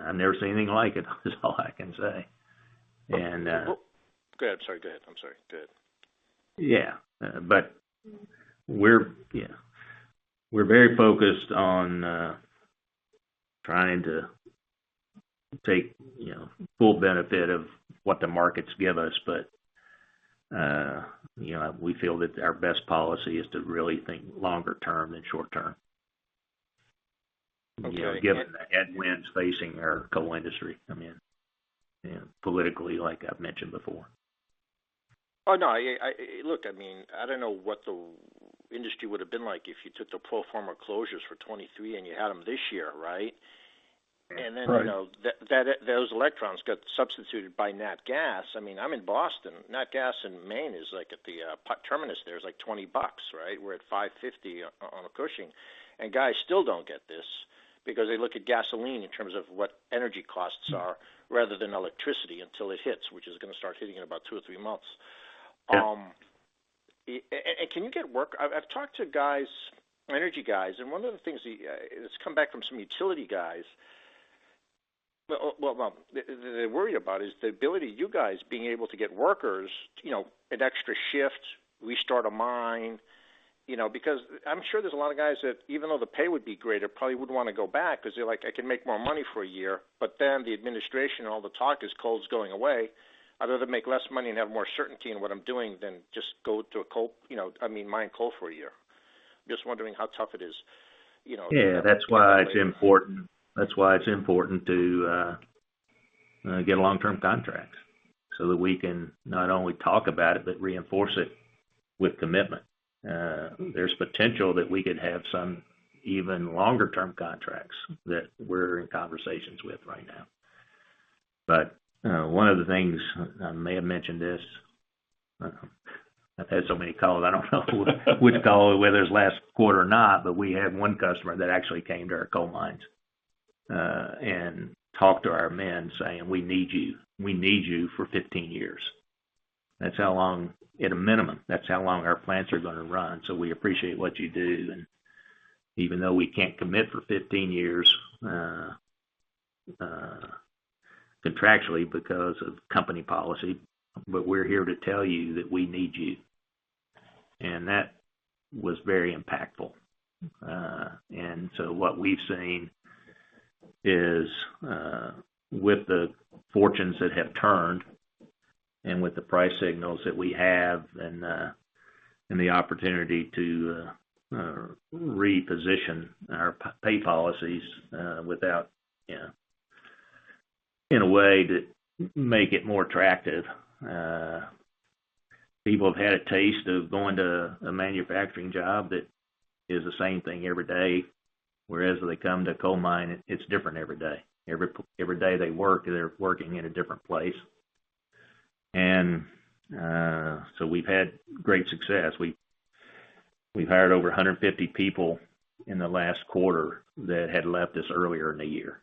I've never seen anything like it, is all I can say. Go ahead. Sorry. Go ahead. I'm sorry. Go ahead. Yeah. We're very focused on trying to take full benefit of what the markets give us, but we feel that our best policy is to really think longer term than short term. Okay. Given the headwinds facing our coal industry, politically, like I've mentioned before. Oh, no. Look, I don't know what the industry would've been like if you took the pro forma closures for 2023 and you had them this year, right? Right. Then those electrons got substituted by nat gas. I'm in Boston. Nat gas in Maine is at the terminus there is like $20, right? We're at $5.50 on the Cushing. Guys still don't get this because they look at gasoline in terms of what energy costs are rather than electricity until it hits, which is going to start hitting in about two or three months. Yeah. Can you get work? I've talked to energy guys, and one of the things that's come back from some utility guys, what they're worried about is the ability, you guys being able to get workers, an extra shift, restart a mine. I'm sure there's a lot of guys that even though the pay would be greater, probably wouldn't want to go back because they're like, "I can make more money for a year." The administration and all the talk is coal's going away. I'd rather make less money and have more certainty in what I'm doing than just mine coal for a year. I'm just wondering how tough it is. Yeah. That's why it's important to get long-term contracts, so that we can not only talk about it, but reinforce it with commitment. There's potential that we could have some even longer-term contracts that we're in conversations with right now. One of the things, I may have mentioned this. I've had so many calls, I don't know which call, whether it's last quarter or not, but we had one customer that actually came to our coal mines and talked to our men saying, "We need you. We need you for 15 years. At a minimum, that's how long our plants are going to run, so we appreciate what you do. Even though we can't commit for 15 years contractually because of company policy, but we're here to tell you that we need you." That was very impactful. What we've seen is with the fortunes that have turned and with the price signals that we have and the opportunity to reposition our pay policies in a way that make it more attractive. People have had a taste of going to a manufacturing job that is the same thing every day, whereas they come to a coal mine, it's different every day. Every day they work, they're working in a different place. We've had great success. We've hired over 150 people in the last quarter that had left us earlier in the year.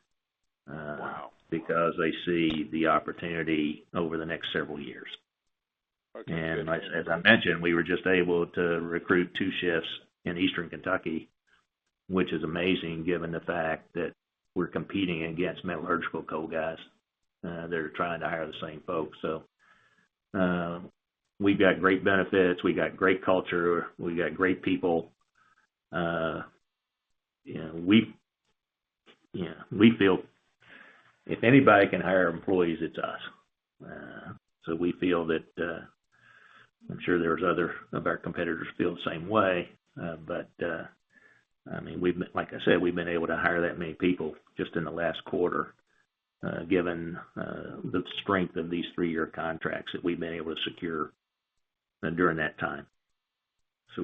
Wow. Because they see the opportunity over the next several years. Okay. As I mentioned, we were just able to recruit two shifts in Eastern Kentucky, which is amazing given the fact that we're competing against metallurgical coal guys that are trying to hire the same folks. We've got great benefits. We've got great culture. We've got great people. We feel if anybody can hire employees, it's us. We feel that, I'm sure there's other of our competitors feel the same way. Like I said, we've been able to hire that many people just in the last quarter, given the strength of these three-year contracts that we've been able to secure during that time. At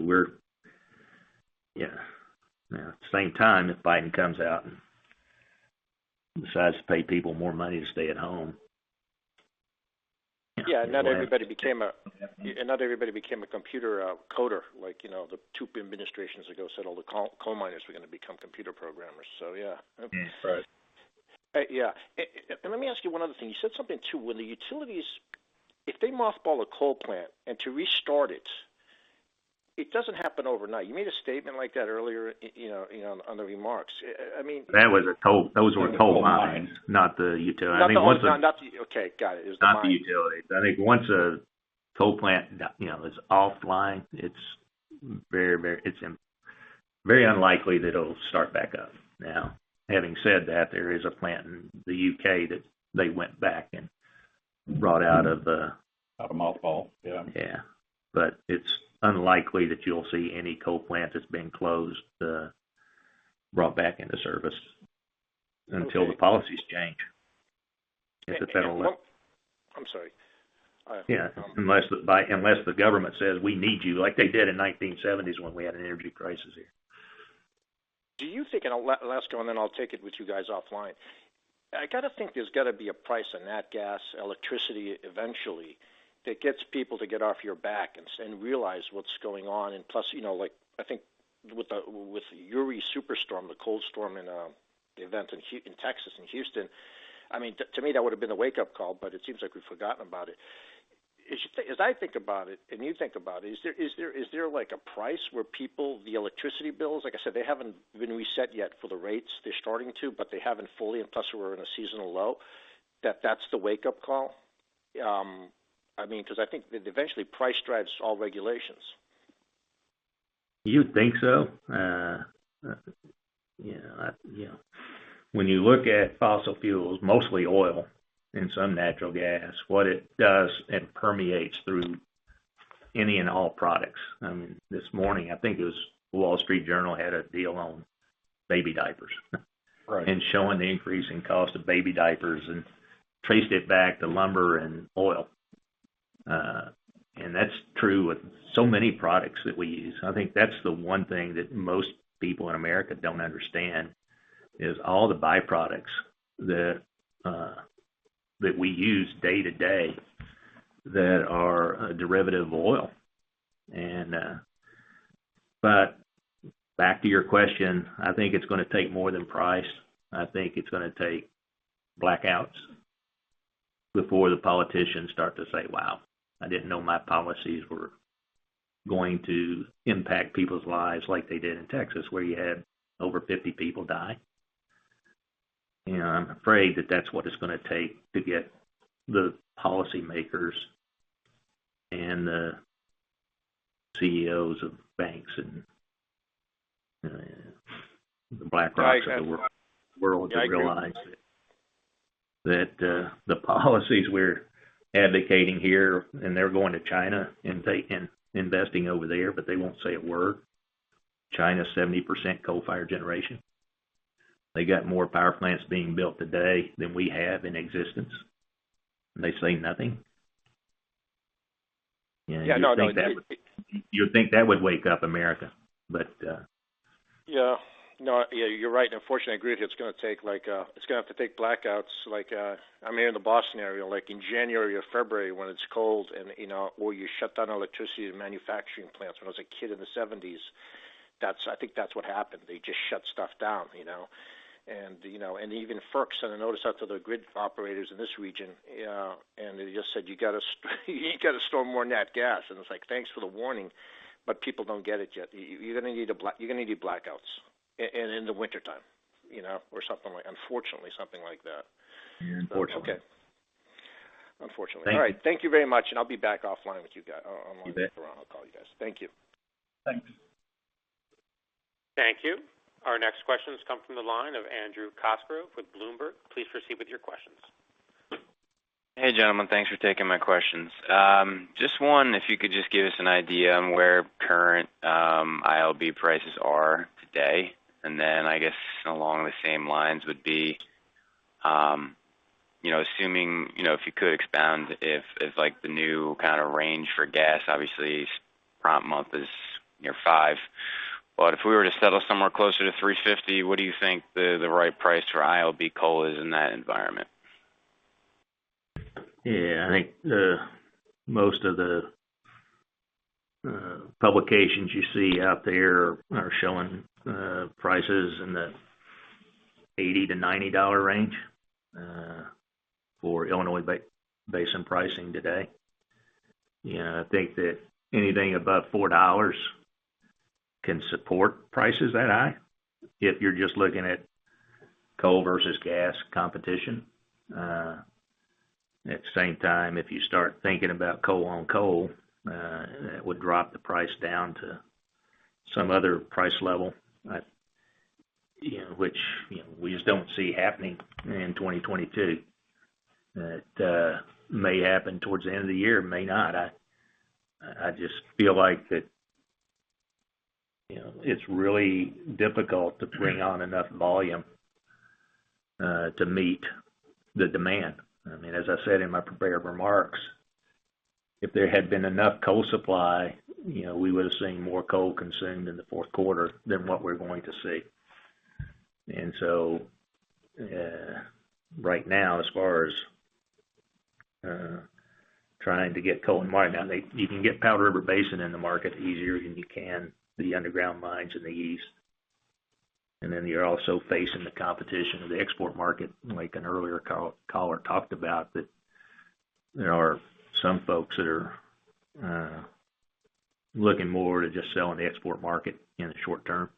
the same time, if Biden comes out and decides to pay people more money to stay at home. Yeah. Not everybody became a computer coder. The two administrations ago said all the coal miners were going to become computer programmers. Yeah. Right. Yeah. Let me ask you one other thing. You said something, too, when the utilities, if they mothball a coal plant, and to restart it doesn't happen overnight. You made a statement like that earlier on the remarks. Those were coal mines, not the utility. No. Okay, got it. It was the mines. Not the utilities. I think once a coal plant is offline, it's very unlikely that it'll start back up. Having said that, there is a plant in the U.K. that they went back and brought. Out of mothballs. Yeah. Yeah. It's unlikely that you'll see any coal plant that's been closed brought back into service until the policies change. It's at that level. I'm sorry. Yeah. Unless the government says, "We need you," like they did in 1970s when we had an energy crisis here. Do you think, and I'll ask, and then I'll take it with you guys offline. I kind of think there's got to be a price on nat gas, electricity, eventually, that gets people to get off your back and realize what's going on. Plus, I think with the Uri super storm, the cold storm in the event in Texas, in Houston, to me, that would've been a wake-up call, but it seems like we've forgotten about it. As I think about it, and you think about it, is there a price where people, the electricity bills, like I said, they haven't been reset yet for the rates? They're starting to, but they haven't fully, and plus we're in a seasonal low, that that's the wake-up call? I think that eventually price drives all regulations. You'd think so. When you look at fossil fuels, mostly oil and some natural gas, what it does, it permeates through any and all products. This morning, I think it was Wall Street Journal had an article on baby diapers. Right. Showing the increase in cost of baby diapers and traced it back to lumber and oil. That's true with so many products that we use. I think that's the one thing that most people in America don't understand is all the byproducts that we use day to day that are a derivative of oil. Back to your question, I think it's going to take more than price. I think it's going to take blackouts before the politicians start to say, "Wow, I didn't know my policies were going to impact people's lives like they did in Texas," where you had over 50 people die. I'm afraid that that's what it's going to take to get the policy makers and the CEOs of banks and the BlackRocks of the world to realize that the policies we're advocating here, and they're going to China and investing over there, but they won't say a word. China's 70% coal fire generation. They got more power plants being built today than we have in existence, and they say nothing. Yeah, no. You would think that would wake up America. Yeah. No, you're right. Unfortunately, I agree with you. It's going to have to take blackouts. I'm here in the Boston area. In January or February when it's cold and where you shut down electricity to manufacturing plants. When I was a kid in the 1970s, I think that's what happened. They just shut stuff down. Even FERC sent a notice out to the grid operators in this region, and they just said, "You got to store more nat gas." It's like, "Thanks for the warning," but people don't get it yet. You're going to need blackouts in the wintertime or unfortunately something like that. Unfortunately. Okay. Unfortunately. Thank you. All right. Thank you very much, and I'll be back offline with you guys. You bet. When I'm around, I'll call you guys. Thank you. Thanks. Thank you. Our next questions come from the line of Andrew Cosgrove with Bloomberg. Please proceed with your questions. Hey, gentlemen. Thanks for taking my questions. Just one, if you could just give us an idea on where current ILB prices are today, then I guess along the same lines would be assuming, if you could expound if the new kind of range for gas, obviously prompt month is near $5, but if we were to settle somewhere closer to $3.50, what do you think the right price for ILB coal is in that environment? Yeah, I think most of the publications you see out there are showing prices in the $80-$90 range for Illinois Basin pricing today. I think that anything above $4 can support prices that high if you're just looking at coal versus gas competition. At the same time, if you start thinking about coal on coal, that would drop the price down to some other price level, which we just don't see happening in 2022. That may happen towards the end of the year, it may not. I just feel like that it's really difficult to bring on enough volume to meet the demand. As I said in my prepared remarks, if there had been enough coal supply, we would've seen more coal consumed in the fourth quarter than what we're going to see. You can get Powder River Basin in the market easier than you can the underground mines in the east. You're also facing the competition of the export market like an earlier caller talked about, that there are some folks that are looking more to just sell on the export market in the short term.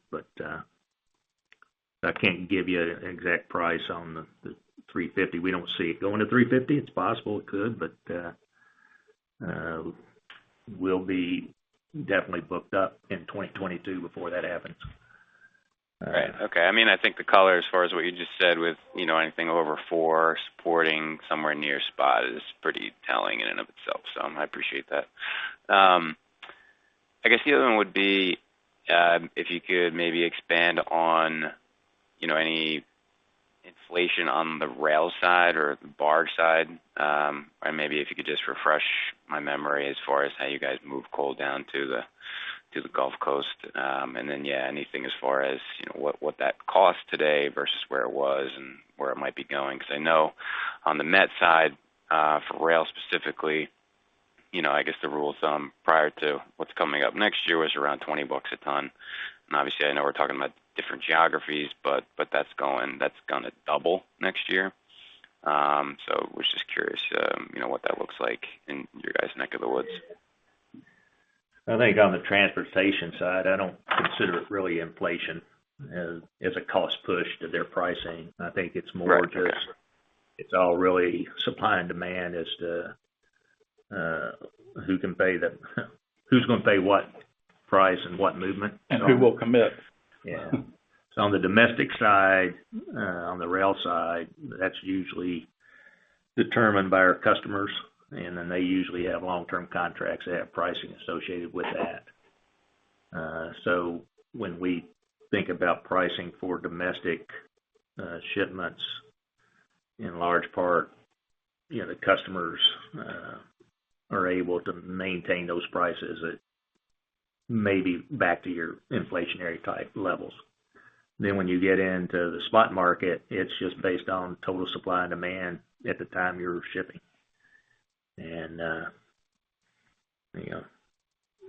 I can't give you an exact price on the $350. We don't see it going to $350. It's possible it could, we'll be definitely booked up in 2022 before that happens. Right. Okay. I think the color as far as what you just said with anything over four supporting somewhere near spot is pretty telling in and of itself. I appreciate that. I guess the other one would be if you could maybe expand on any inflation on the rail side or the barge side. Maybe if you could just refresh my memory as far as how you guys move coal down to the Gulf Coast. Yeah, anything as far as what that costs today versus where it was and where it might be going. I know on the met side, for rail specifically, I guess the rule of thumb prior to what's coming up next year was around $20 a ton. Obviously, I know we're talking about different geographies, but that's going to double next year was just curious what that looks like in your guys' neck of the woods? I think on the transportation side, I don't consider it really inflation as a cost push to their pricing. Right. It's all really supply and demand as to who's going to pay what price and what movement. Who will commit. Yeah. On the domestic side, on the rail side, that's usually determined by our customers, and then they usually have long-term contracts that have pricing associated with that. When we think about pricing for domestic shipments, in large part, the customers are able to maintain those prices that may be back to your inflationary type levels. When you get into the spot market, it's just based on total supply and demand at the time you're shipping.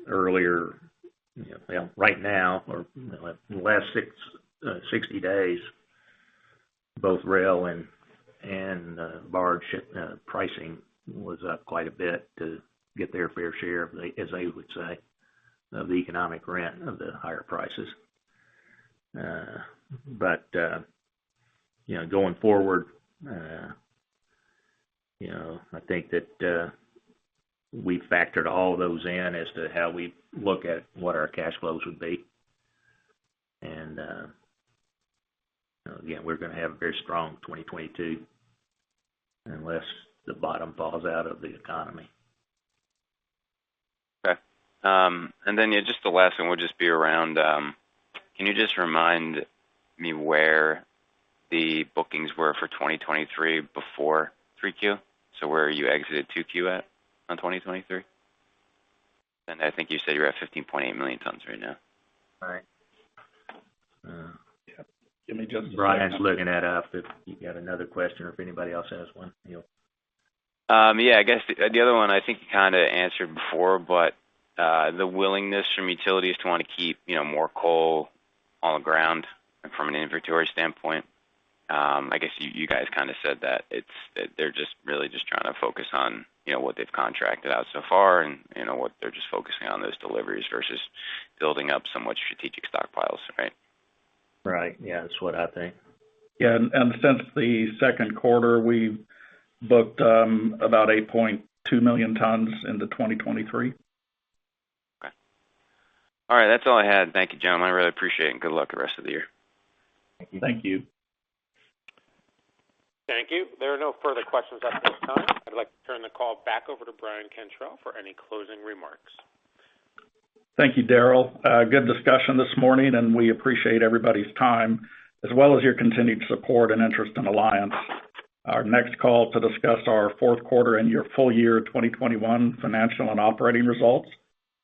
Earlier, right now or the last 60 days, both rail and barge pricing was up quite a bit to get their fair share, as they would say, of the economic rent of the higher prices. Going forward, I think that we factored all those in as to how we look at what our cash flows would be. Again, we're going to have a very strong 2022 unless the bottom falls out of the economy. Okay. Yeah, just the last one would just be around can you just remind me where the bookings were for 2023 before 3Q? Where you exited 2Q at in 2023? I think you said you're at 15.8 million tons right now. Right. Yeah. Brian's looking that up if you got another question or if anybody else has one. Yeah. I guess the other one I think you kind of answered before, but the willingness from utilities to want to keep more coal on the ground from an inventory standpoint. I guess you guys kind of said that they're just really just trying to focus on what they've contracted out so far and what they're just focusing on those deliveries versus building up somewhat strategic stockpiles, right? Right. Yeah. That's what I think. Yeah. Since the second quarter, we booked about 8.2 million tons into 2023. Okay. All right. That's all I had. Thank you, gentlemen. I really appreciate it, and good luck the rest of the year. Thank you. Thank you. Thank you. There are no further questions at this time. I'd like to turn the call back over to Brian Cantrell for any closing remarks. Thank you, Daryl. Good discussion this morning, and we appreciate everybody's time, as well as your continued support and interest in Alliance. Our next call to discuss our fourth quarter and your full year 2021 financial and operating results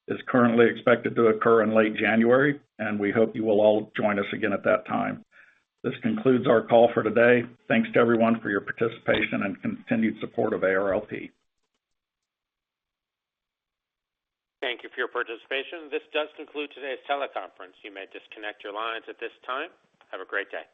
is currently expected to occur in late January, and we hope you will all join us again at that time. This concludes our call for today. Thanks to everyone for your participation and continued support of ARLP. Thank you for your participation. This does conclude today's teleconference. You may disconnect your lines at this time. Have a great day.